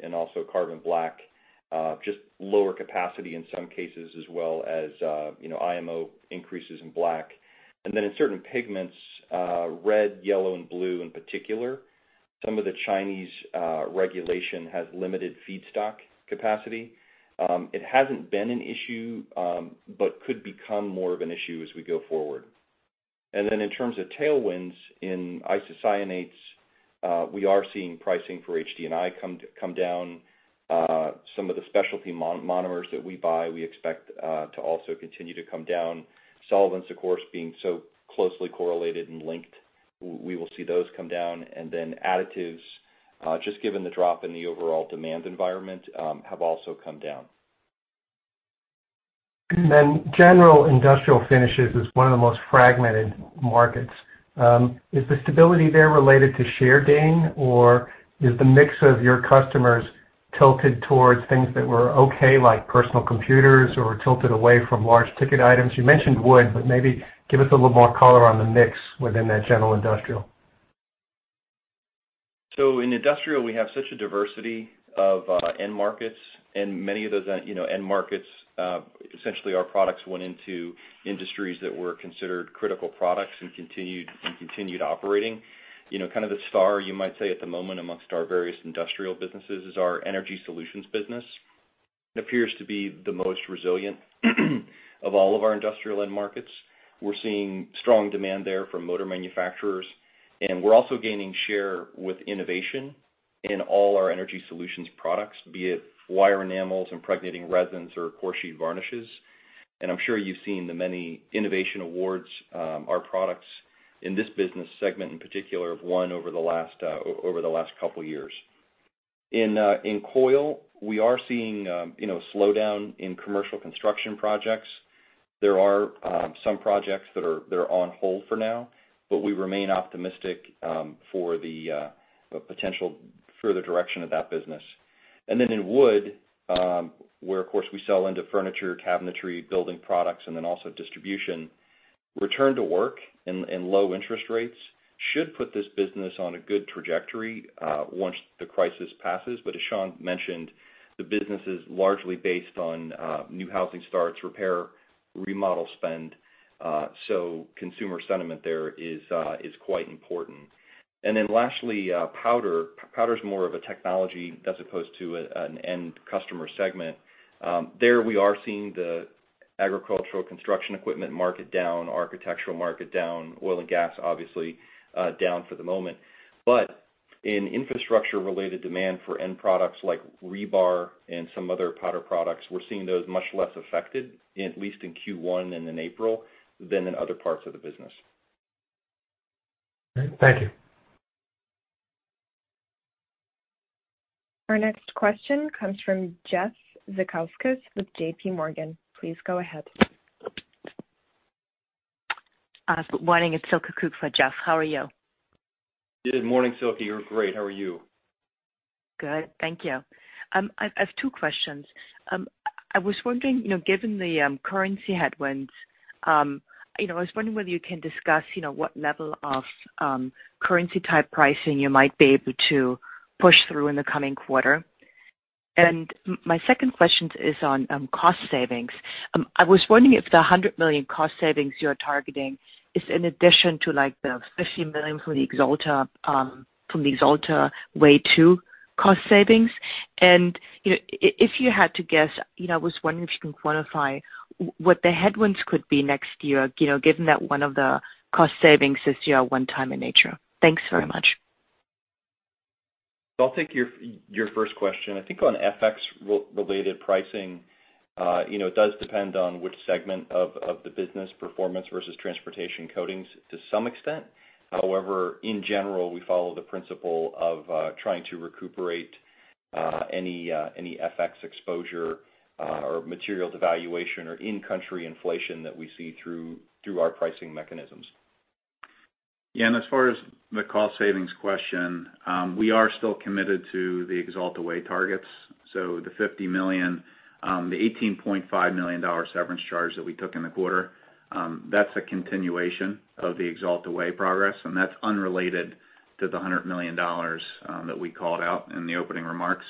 [SPEAKER 3] and also carbon black, just lower capacity in some cases as well as IMO increases in black. In certain pigments, red, yellow and blue in particular, some of the Chinese regulation has limited feedstock capacity. It hasn't been an issue, but could become more of an issue as we go forward. In terms of tailwinds, in isocyanates, we are seeing pricing for HDI come down. Some of the specialty monomers that we buy, we expect to also continue to come down. Solvents, of course, being so closely correlated and linked, we will see those come down. Additives, just given the drop in the overall demand environment, have also come down.
[SPEAKER 9] General industrial finishes is one of the most fragmented markets. Is the stability there related to share gain, or is the mix of your customers tilted towards things that were okay, like personal computers, or tilted away from large ticket items? You mentioned wood, maybe give us a little more color on the mix within that general industrial.
[SPEAKER 3] In industrial, we have such a diversity of end markets and many of those end markets, essentially our products went into industries that were considered critical products and continued operating. Kind of the star, you might say, at the moment amongst our various industrial businesses is our Energy Solutions business. It appears to be the most resilient of all of our industrial end markets. We're seeing strong demand there from motor manufacturers, and we're also gaining share with innovation in all our energy solutions products, be it wire enamels, impregnating resins, or core sheet varnishes. I'm sure you've seen the many innovation awards our products in this business segment in particular, have won over the last couple of years. In coil, we are seeing slowdown in commercial construction projects. There are some projects that are on hold for now, but we remain optimistic for the potential further direction of that business. In wood, where, of course, we sell into furniture, cabinetry, building products, and then also distribution, return to work and low interest rates should put this business on a good trajectory once the crisis passes. As Sean mentioned, the business is largely based on new housing starts, repair, remodel spend, so consumer sentiment there is quite important. Lastly, powder. Powder's more of a technology as opposed to an end customer segment. There we are seeing the agricultural construction equipment market down, architectural market down, oil and gas, obviously, down for the moment. In infrastructure related demand for end products like rebar and some other powder products, we're seeing those much less affected, at least in Q1 and in April, than in other parts of the business.
[SPEAKER 9] Thank you.
[SPEAKER 1] Our next question comes from Jeff Zekauskas with JPMorgan. Please go ahead.
[SPEAKER 10] Morning, it's Silke Kueck for Jeff. How are you?
[SPEAKER 3] Good morning, Silke. You're great. How are you?
[SPEAKER 10] Good, thank you. I have two questions. Given the currency headwinds, I was wondering whether you can discuss what level of currency type pricing you might be able to push through in the coming quarter. My second question is on cost savings. I was wondering if the $100 million cost savings you're targeting is in addition to the $50 million from the Axalta Way II cost savings. If you had to guess, I was wondering if you can quantify what the headwinds could be next year, given that one of the cost savings this year are one-time in nature. Thanks very much.
[SPEAKER 3] I'll take your first question. I think on FX related pricing, it does depend on which segment of the business Performance Coatings versus Transportation Coatings to some extent. In general, we follow the principle of trying to recuperate any FX exposure or material devaluation or in-country inflation that we see through our pricing mechanisms.
[SPEAKER 4] Yeah, as far as the cost savings question, we are still committed to the Axalta Way targets. The $50 million, the $18.5 million severance charge that we took in the quarter, that's a continuation of the Axalta Way progress, and that's unrelated to the $100 million that we called out in the opening remarks.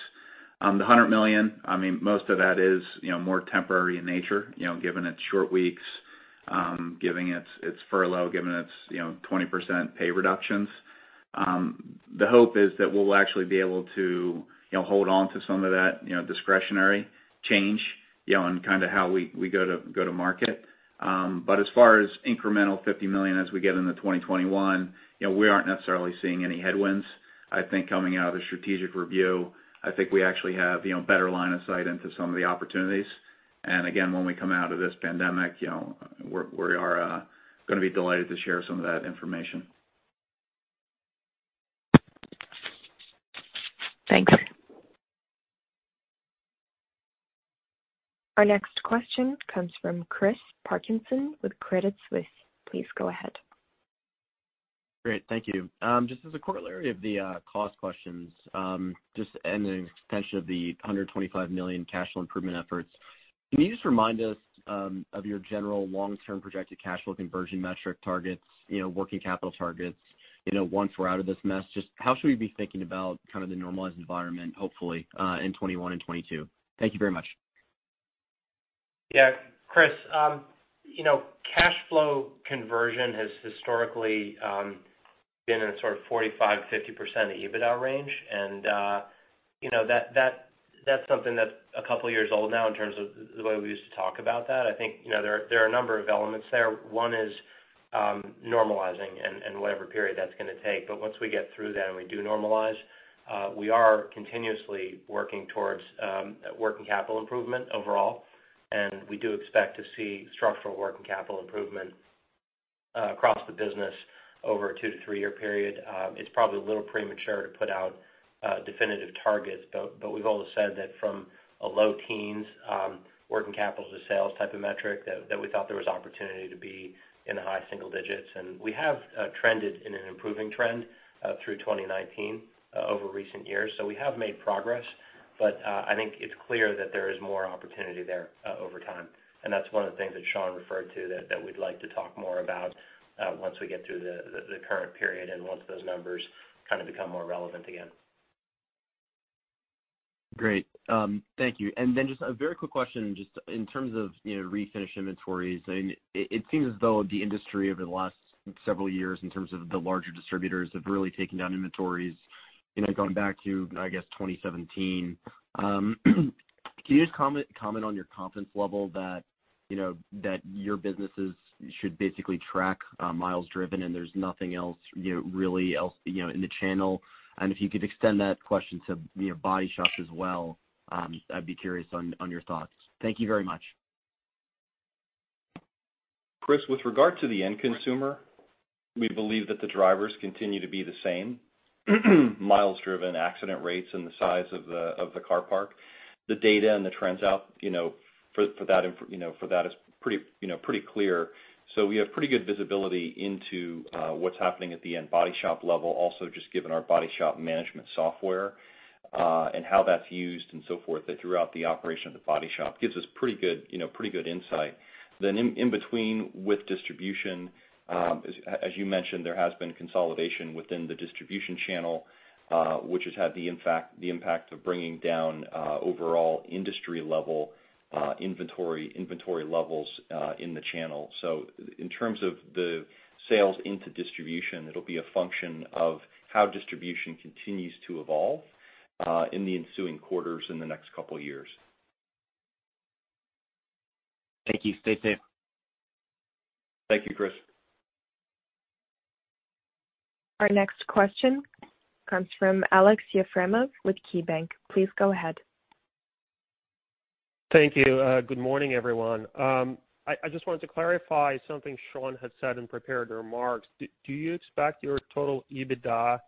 [SPEAKER 4] The $100 million, most of that is more temporary in nature, given its short weeks, given its furlough, given its 20% pay reductions. The hope is that we'll actually be able to hold onto some of that discretionary change, and kind of how we go to market. As far as incremental $50 million as we get into 2021, we aren't necessarily seeing any headwinds. I think coming out of the strategic review, I think we actually have better line of sight into some of the opportunities. Again, when we come out of this pandemic, we are going to be delighted to share some of that information.
[SPEAKER 10] Thanks.
[SPEAKER 1] Our next question comes from Chris Parkinson with Credit Suisse. Please go ahead.
[SPEAKER 11] Great. Thank you. Just as a corollary of the cost questions, just an extension of the $125 million cash flow improvement efforts. Can you just remind us of your general long-term projected cash flow conversion metric targets, working capital targets, once we're out of this mess? Just how should we be thinking about kind of the normalized environment, hopefully, in 2021 and 2022? Thank you very much.
[SPEAKER 3] Yeah. Chris, cash flow conversion has historically been in a sort of 45%-50% EBITDA range, and that's something that's a couple of years old now in terms of the way we used to talk about that. I think there are a number of elements there. One is normalizing and whatever period that's going to take. Once we get through that and we do normalize, we are continuously working towards working capital improvement overall, and we do expect to see structural working capital improvement across the business over a two to three-year period. It's probably a little premature to put out definitive targets, but we've always said that from a low teens working capital to sales type of metric, that we thought there was opportunity to be in the high single digits. We have trended in an improving trend, through 2019, over recent years. We have made progress, but I think it's clear that there is more opportunity there over time, and that's one of the things that Sean referred to that we'd like to talk more about once we get through the current period and once those numbers kind of become more relevant again.
[SPEAKER 11] Great. Thank you. Then just a very quick question, just in terms of Refinish inventories, it seems as though the industry over the last several years in terms of the larger distributors have really taken down inventories, going back to, I guess, 2017. Can you just comment on your confidence level that your businesses should basically track miles driven and there's nothing else really in the channel? If you could extend that question to body shops as well, I'd be curious on your thoughts. Thank you very much.
[SPEAKER 3] Chris, with regard to the end consumer, we believe that the drivers continue to be the same. Miles driven, accident rates, and the size of the car park. The data and the trends for that is pretty clear. We have pretty good visibility into what's happening at the end body shop level. Also, just given our body shop management software, and how that's used and so forth, that throughout the operation of the body shop gives us pretty good insight. In between with distribution, as you mentioned, there has been consolidation within the distribution channel, which has had the impact of bringing down overall industry level inventory levels in the channel. In terms of the sales into distribution, it'll be a function of how distribution continues to evolve, in the ensuing quarters in the next couple of years.
[SPEAKER 11] Thank you. Stay safe.
[SPEAKER 3] Thank you, Chris.
[SPEAKER 1] Our next question comes from Aleksey Yefremov with KeyBanc. Please go ahead.
[SPEAKER 12] Thank you. Good morning, everyone. I just wanted to clarify something Sean had said in prepared remarks. Do you expect your total EBITDA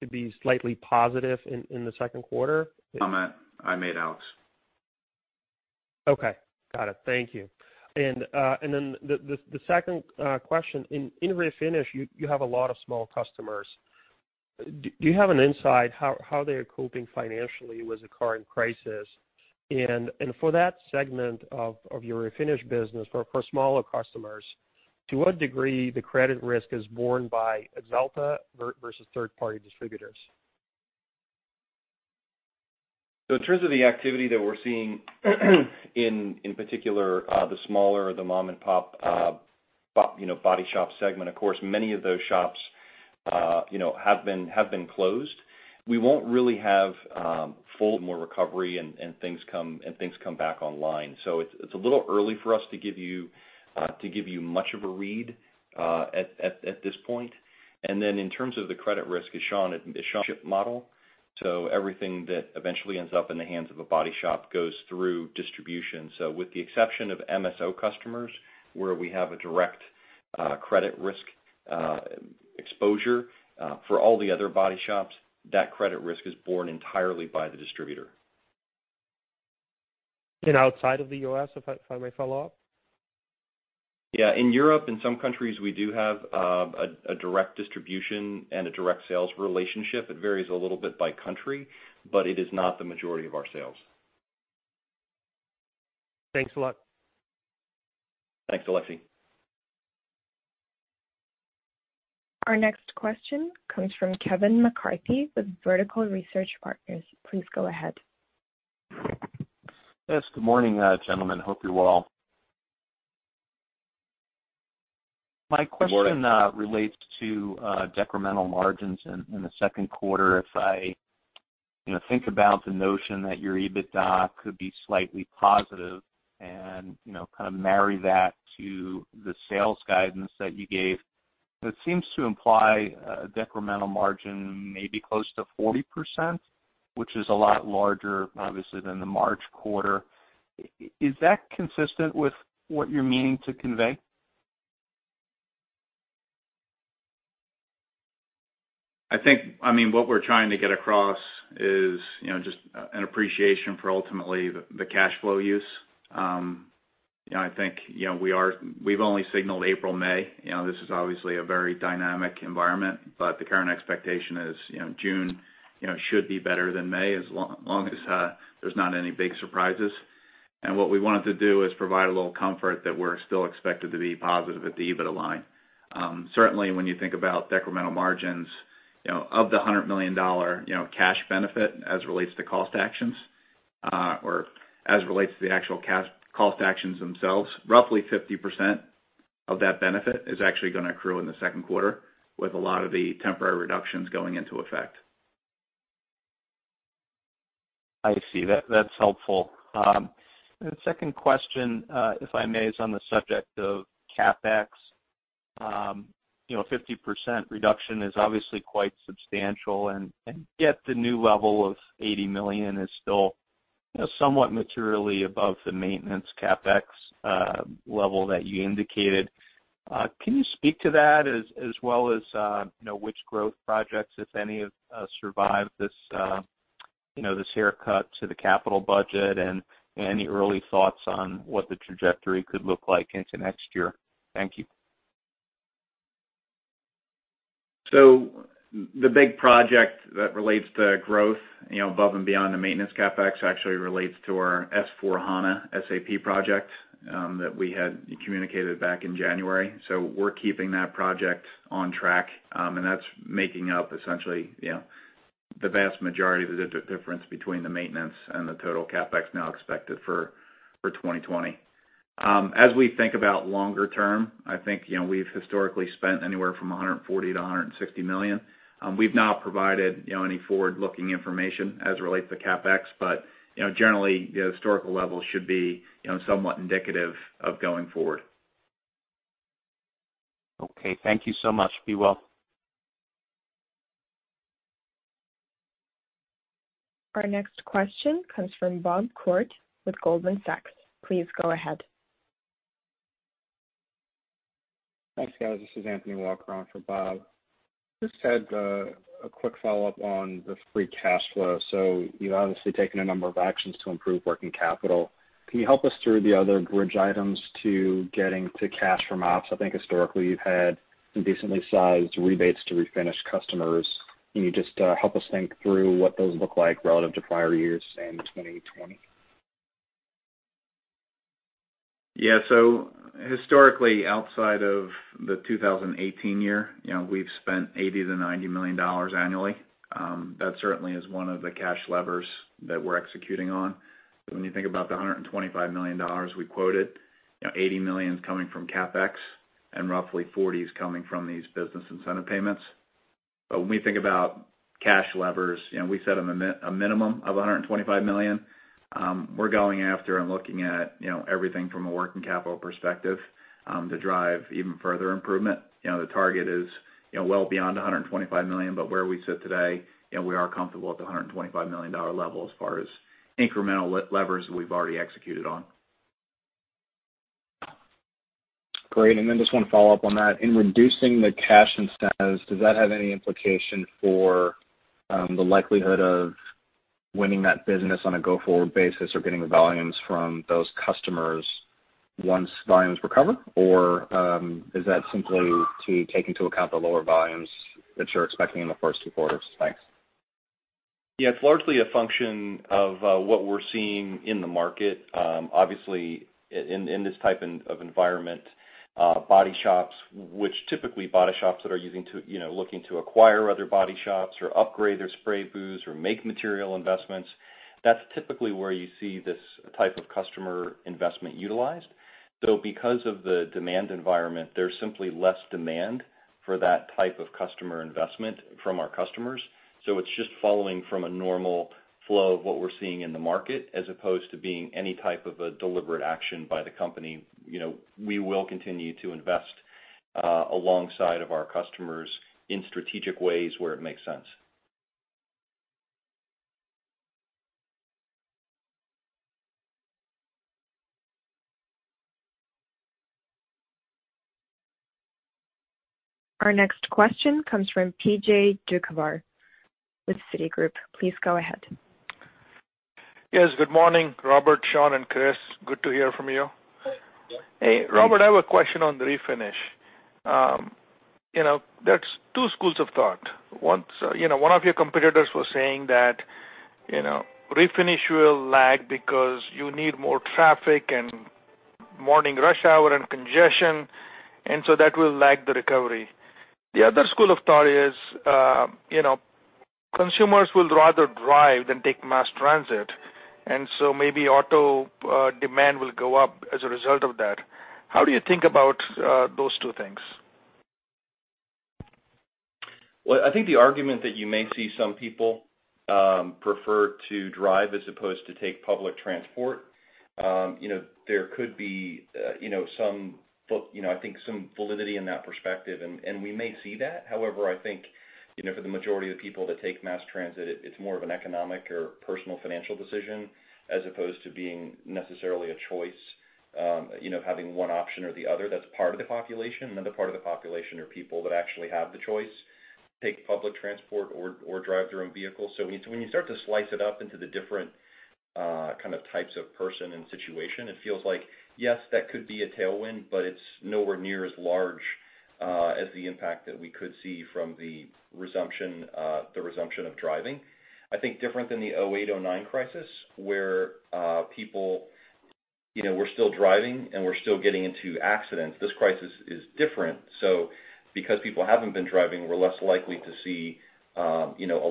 [SPEAKER 12] to be slightly positive in the second quarter?
[SPEAKER 4] Comment I made, Alex.
[SPEAKER 12] Okay. Got it. Thank you. The second question, in Refinish, you have a lot of small customers. Do you have an insight how they are coping financially with the current crisis? For that segment of your Refinish business for smaller customers, to what degree the credit risk is borne by Axalta versus third party distributors?
[SPEAKER 3] In terms of the activity that we're seeing in particular, the smaller, the mom and pop, body shop segment, of course, many of those shops have been closed. We won't really have full more recovery and things come back online. It's a little early for us to give you much of a read at this point. In terms of the credit risk, as Sean model. Everything that eventually ends up in the hands of a body shop goes through distribution. With the exception of MSO customers, where we have a direct credit risk exposure for all the other body shops, that credit risk is borne entirely by the distributor.
[SPEAKER 12] Outside of the U.S., if I may follow up?
[SPEAKER 3] Yeah. In Europe, in some countries, we do have a direct distribution and a direct sales relationship. It varies a little bit by country, but it is not the majority of our sales.
[SPEAKER 12] Thanks a lot.
[SPEAKER 3] Thanks, Alexi.
[SPEAKER 1] Our next question comes from Kevin McCarthy with Vertical Research Partners. Please go ahead.
[SPEAKER 13] Good morning, gentlemen. Hope you're well.
[SPEAKER 3] Good morning.
[SPEAKER 13] My question relates to decremental margins in the second quarter. If I think about the notion that your EBITDA could be slightly positive and kind of marry that to the sales guidance that you gave, it seems to imply a decremental margin maybe close to 40%, which is a lot larger, obviously, than the March quarter. Is that consistent with what you're meaning to convey?
[SPEAKER 4] I think what we're trying to get across is just an appreciation for ultimately the cash flow use. I think we've only signaled April, May. This is obviously a very dynamic environment, but the current expectation is June should be better than May, as long as there's not any big surprises. What we wanted to do is provide a little comfort that we're still expected to be positive at the EBITDA line. Certainly, when you think about decremental margins, of the $100 million cash benefit as relates to cost actions, or as relates to the actual cost actions themselves, roughly 50% of that benefit is actually going to accrue in the second quarter with a lot of the temporary reductions going into effect.
[SPEAKER 13] I see. That's helpful. The second question, if I may, is on the subject of CapEx. A 50% reduction is obviously quite substantial, and yet the new level of $80 million is still somewhat materially above the maintenance CapEx level that you indicated. Can you speak to that as well as which growth projects, if any, have survived this haircut to the capital budget and any early thoughts on what the trajectory could look like into next year? Thank you.
[SPEAKER 4] The big project that relates to growth above and beyond the maintenance CapEx actually relates to our S/4HANA SAP project that we had communicated back in January. We're keeping that project on track, and that's making up essentially the vast majority of the difference between the maintenance and the total CapEx now expected for 2020. As we think about longer term, I think we've historically spent anywhere from $140 million-$160 million. We've not provided any forward-looking information as it relates to CapEx. Generally, the historical level should be somewhat indicative of going forward.
[SPEAKER 13] Okay. Thank you so much. Be well.
[SPEAKER 1] Our next question comes from Bob Koort with Goldman Sachs. Please go ahead.
[SPEAKER 14] Thanks, guys. This is Anthony Walker on for Bob. Just had a quick follow-up on the free cash flow. You've obviously taken a number of actions to improve working capital. Can you help us through the other bridge items to getting to cash from ops? I think historically you've had decently sized rebates to Refinish customers. Can you just help us think through what those look like relative to prior years, say in 2020?
[SPEAKER 4] Historically, outside of the 2018 year, we've spent $80 million-$90 million annually. That certainly is one of the cash levers that we're executing on. When you think about the $125 million we quoted, $80 million is coming from CapEx and roughly $40 million is coming from these business incentive payments. When we think about cash levers, we set a minimum of $125 million. We're going after and looking at everything from a working capital perspective to drive even further improvement. The target is well beyond $125 million, but where we sit today, we are comfortable at the $125 million level as far as incremental levers we've already executed on.
[SPEAKER 14] Great. Just want to follow up on that. In reducing the cash incentives, does that have any implication for the likelihood of winning that business on a go-forward basis or getting the volumes from those customers once volumes recover? Is that simply to take into account the lower volumes that you're expecting in the first two quarters? Thanks.
[SPEAKER 3] Yeah. It's largely a function of what we're seeing in the market. Obviously, in this type of environment, body shops, which typically body shops that are looking to acquire other body shops or upgrade their spray booths or make material investments, that's typically where you see this type of customer investment utilized. Because of the demand environment, there's simply less demand for that type of customer investment from our customers. It's just following from a normal flow of what we're seeing in the market as opposed to being any type of a deliberate action by the company. We will continue to invest alongside of our customers in strategic ways where it makes sense.
[SPEAKER 1] Our next question comes from P.J. Juvekar with Citigroup. Please go ahead.
[SPEAKER 15] Yes, good morning, Robert, Sean, and Chris. Good to hear from you. Hey, Rob, I have a question on the Refinish. There's two schools of thought. One of your competitors was saying that Refinish will lag because you need more traffic and morning rush hour and congestion, and so that will lag the recovery. The other school of thought is, consumers will rather drive than take mass transit, and so maybe auto demand will go up as a result of that. How do you think about those two things?
[SPEAKER 3] Well, I think the argument that you may see some people prefer to drive as opposed to take public transport there could be I think some validity in that perspective. We may see that. However, I think, for the majority of the people that take mass transit, it's more of an economic or personal financial decision as opposed to being necessarily a choice, having one option or the other. That's part of the population. Another part of the population are people that actually have the choice to take public transport or drive their own vehicle. When you start to slice it up into the different kind of types of person and situation, it feels like, yes, that could be a tailwind, but it's nowhere near as large as the impact that we could see from the resumption of driving. I think different than the 2008, 2009 crisis, where people were still driving and were still getting into accidents. This crisis is different. Because people haven't been driving, we're less likely to see a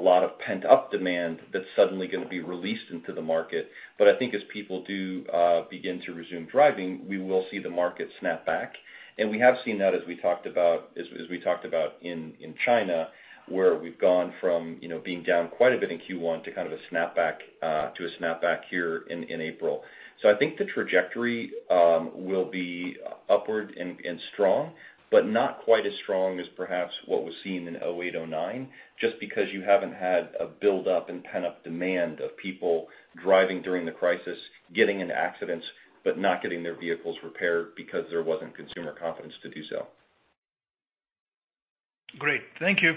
[SPEAKER 3] lot of pent-up demand that's suddenly going to be released into the market. I think as people do begin to resume driving, we will see the market snap back, and we have seen that as we talked about in China, where we've gone from being down quite a bit in Q1 to a snapback here in April. I think the trajectory will be upward and strong, but not quite as strong as perhaps what was seen in 2008, 2009, just because you haven't had a buildup in pent-up demand of people driving during the crisis, getting into accidents, but not getting their vehicles repaired because there wasn't consumer confidence to do so.
[SPEAKER 15] Great. Thank you.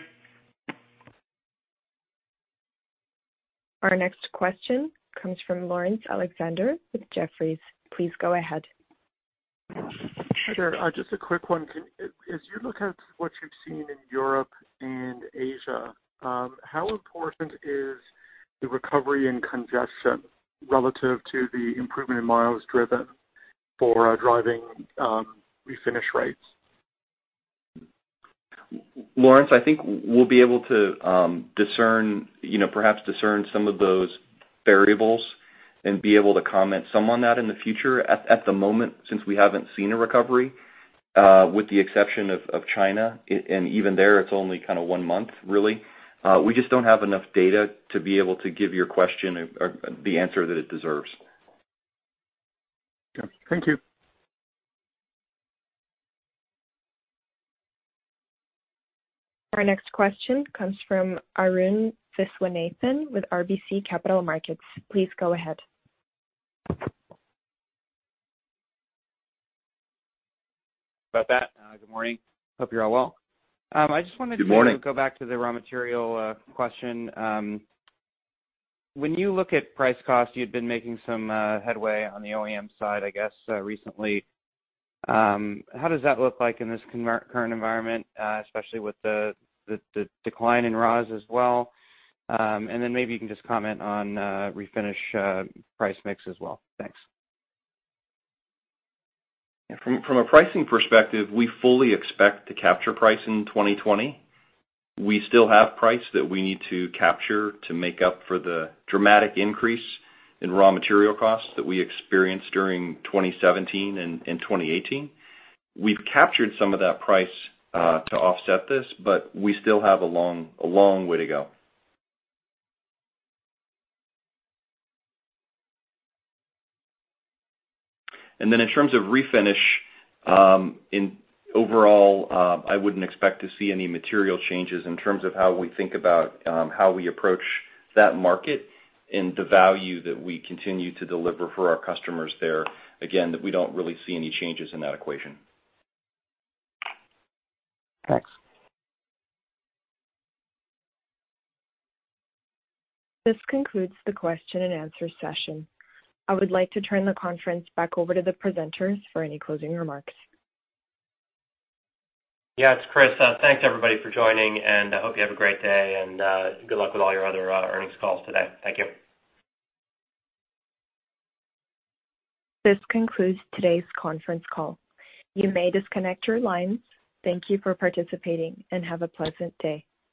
[SPEAKER 1] Our next question comes from Laurence Alexander with Jefferies. Please go ahead.
[SPEAKER 16] Hi there. Just a quick one. As you look at what you've seen in Europe and Asia, how important is the recovery in congestion relative to the improvement in miles driven for driving refinish rates?
[SPEAKER 3] Laurence, I think we'll be able to perhaps discern some of those variables and be able to comment some on that in the future. At the moment, since we haven't seen a recovery, with the exception of China, and even there, it's only kind of one month, really, we just don't have enough data to be able to give your question the answer that it deserves.
[SPEAKER 16] Okay. Thank you.
[SPEAKER 1] Our next question comes from Arun Viswanathan with RBC Capital Markets. Please go ahead.
[SPEAKER 17] How about that? Good morning. Hope you're all well.
[SPEAKER 3] Good morning.
[SPEAKER 17] I just wanted to go back to the raw material question. When you look at price cost, you'd been making some headway on the OEM side, I guess, recently. How does that look like in this current environment, especially with the decline in raws as well? Maybe you can just comment on Refinish price mix as well. Thanks.
[SPEAKER 3] From a pricing perspective, we fully expect to capture price in 2020. We still have price that we need to capture to make up for the dramatic increase in raw material costs that we experienced during 2017 and 2018. We've captured some of that price to offset this, but we still have a long way to go. In terms of Refinish, overall I wouldn't expect to see any material changes in terms of how we think about how we approach that market and the value that we continue to deliver for our customers there. Again, we don't really see any changes in that equation.
[SPEAKER 17] Thanks.
[SPEAKER 1] This concludes the question-and-answer session. I would like to turn the conference back over to the presenters for any closing remarks.
[SPEAKER 2] Yeah, it's Chris. Thanks, everybody, for joining, and I hope you have a great day, and good luck with all your other earnings calls today. Thank you.
[SPEAKER 1] This concludes today's conference call. You may disconnect your lines. Thank you for participating and have a pleasant day.